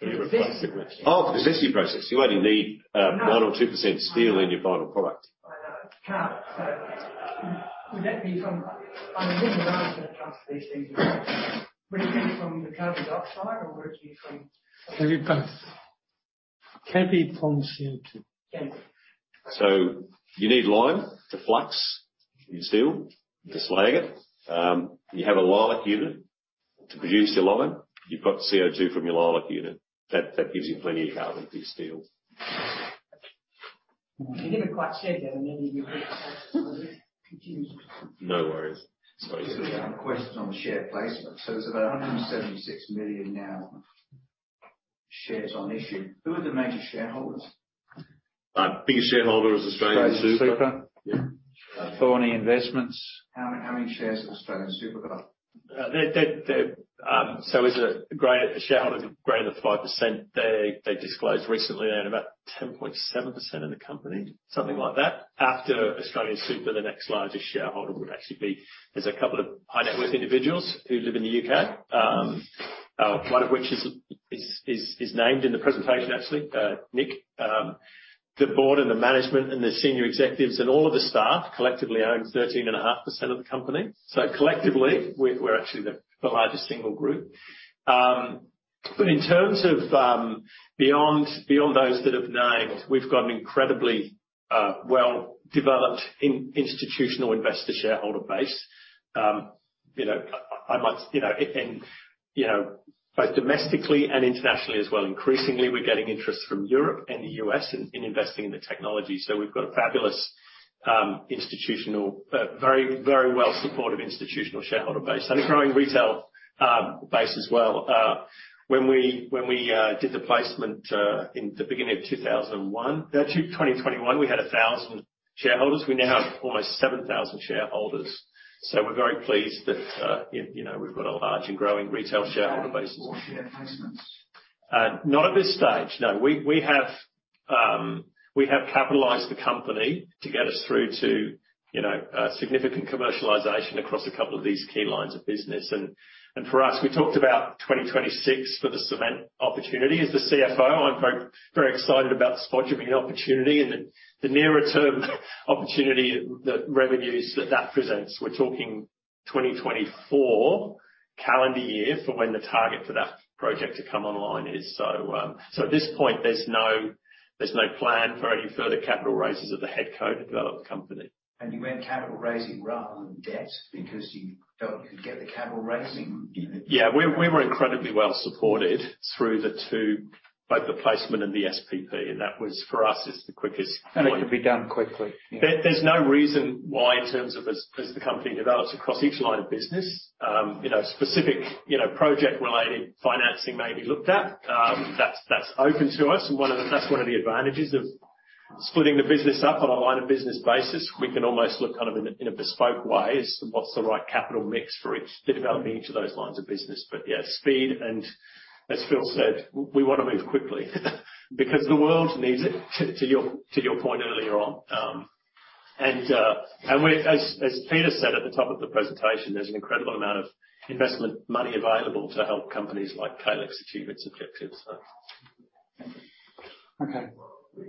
to produce. For the processing question. Oh, the processing process. You only need, I know. 1%-2% steel in your final product. I know. Carbon. Would it be from the carbon dioxide or would it be from? Can be both. Can be from CO₂. Okay. You need lime to flux your steel. Yes. To slag it. You have a Leilac unit to produce your lime. You've got CO₂ from your Leilac unit. That gives you plenty of carbon to steel. You never quite said that in any of your presentations. I was confused. No worries. Sorry. A question on the share placement. There's about 176 million shares now on issue. Who are the major shareholders? Our biggest shareholder is AustralianSuper. AustralianSuper. Yeah. Thorney Investments. How many shares has AustralianSuper got? As a great shareholder, greater than 5%, they disclosed recently they had about 10.7% of the company, something like that. After AustralianSuper, the next largest shareholder would actually be a couple of high net worth individuals who live in the U.K., one of which is named in the presentation actually, Nick. The board and the management and the senior executives and all of the staff collectively own 13.5% of the company. Collectively, we're actually the largest single group. In terms of beyond those that I've named, we've got an incredibly well-developed institutional investor shareholder base. You know, I must, you know. You know, both domestically and internationally as well, increasingly we're getting interest from Europe and the U.S. in investing in the technology. We've got a fabulous institutional very, very well supportive institutional shareholder base and a growing retail base as well. When we did the placement in the beginning of 2021, we had 1,000 shareholders. We now have almost 7,000 shareholders. We're very pleased that you know, we've got a large and growing retail shareholder base. Is there any more share placements? Not at this stage. No. We have capitalized the company to get us through to, you know, significant commercialization across a couple of these key lines of business. For us, we talked about 2026 for the cement opportunity. As the CFO, I'm very, very excited about the spodumene opportunity and the nearer-term opportunity, the revenues that that presents. We're talking 2024 calendar year for when the target for that project to come online is. At this point, there's no plan for any further capital raises at the head code developer company. You went capital raising rather than debt because you felt you could get the capital raising? Yeah, we were incredibly well-supported through both the placement and the SPP. That, for us, is the quickest way. It could be done quickly. There's no reason why, in terms of, as the company develops across each line of business, you know, specific project-related financing may be looked at. That's open to us. That's one of the advantages of splitting the business up on a line of business basis. We can almost look kind of in a bespoke way as to what's the right capital mix for each, the development of each of those lines of business. Yeah, speed, and as Phil said, we want to move quickly because the world needs it, to your point earlier on. As Peter said at the top of the presentation, there's an incredible amount of investment money available to help companies like Calix achieve its objectives. Okay. What is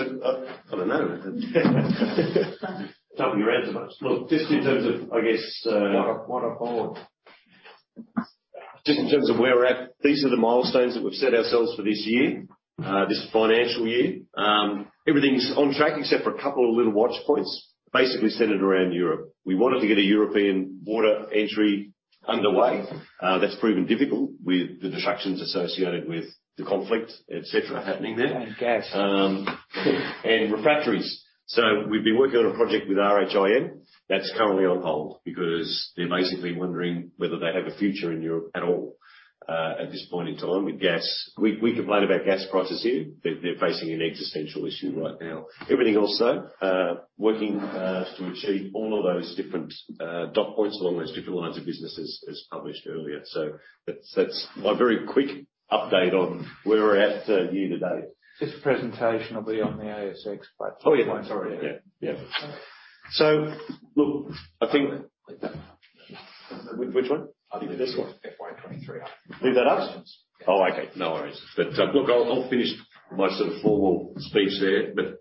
it? I don't know. Doubling around so much. Look, just in terms of, I guess, What <inaudible> Just in terms of where we're at, these are the milestones that we've set ourselves for this year, this financial year. Everything is on track except for a couple of little watch points, basically centered around Europe. We wanted to get a European border entry underway. That's proven difficult with the disruptions associated with the conflict, et cetera, happening there. And gas. Refractories. We've been working on a project with RHI Magnesita. That's currently on hold because they're basically wondering whether they have a future in Europe at all, at this point in time with gas. We complain about gas prices here. They're facing an existential issue right now. Everything else, though, working to achieve all of those different dot points along those different lines of businesses as published earlier. That's my very quick update on where we're at, year to date. This presentation will be on the ASX platform. Oh, yeah. Sorry. Yeah. Look, I think. Leave that one. Which one? This one. FY 2023. Leave that up? Yeah. Oh, okay. No worries. Look, I'll finish my sort of formal speech there. Look,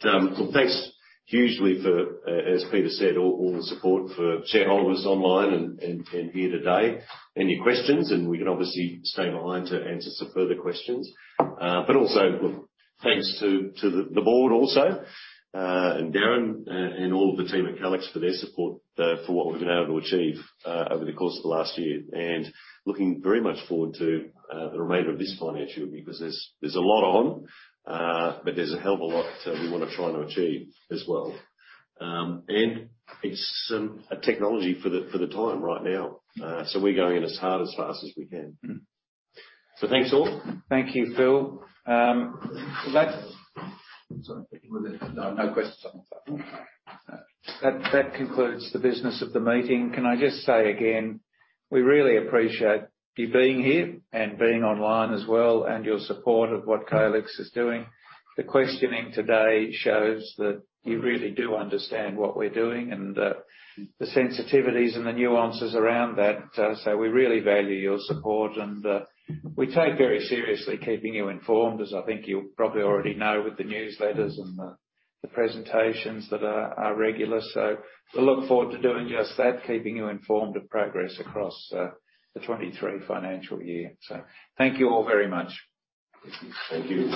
thanks hugely for, as Peter said, all the support for shareholders online and here today. Any questions, and we can obviously stay behind to answer some further questions. Also look, thanks to the board also, and Darren, and all of the team at Calix for their support, for what we've been able to achieve over the course of the last year. Looking very much forward to the remainder of this financial year because there's a lot on, but there's a hell of a lot we want to try to achieve as well. It's a technology for the time right now. We're going in as hard, as fast as we can. Mm-hmm. Thanks all. Thank you, Phil. Sorry. No, no questions on the phone. That concludes the business of the meeting. Can I just say again, we really appreciate you being here and being online as well, and your support of what Calix is doing. The questioning today shows that you really do understand what we're doing and the sensitivities and the nuances around that. We really value your support, and we take very seriously keeping you informed, as I think you probably already know with the newsletters and the presentations that are regular. We look forward to doing just that, keeping you informed of progress across the 2023 financial year. Thank you all very much. Thank you.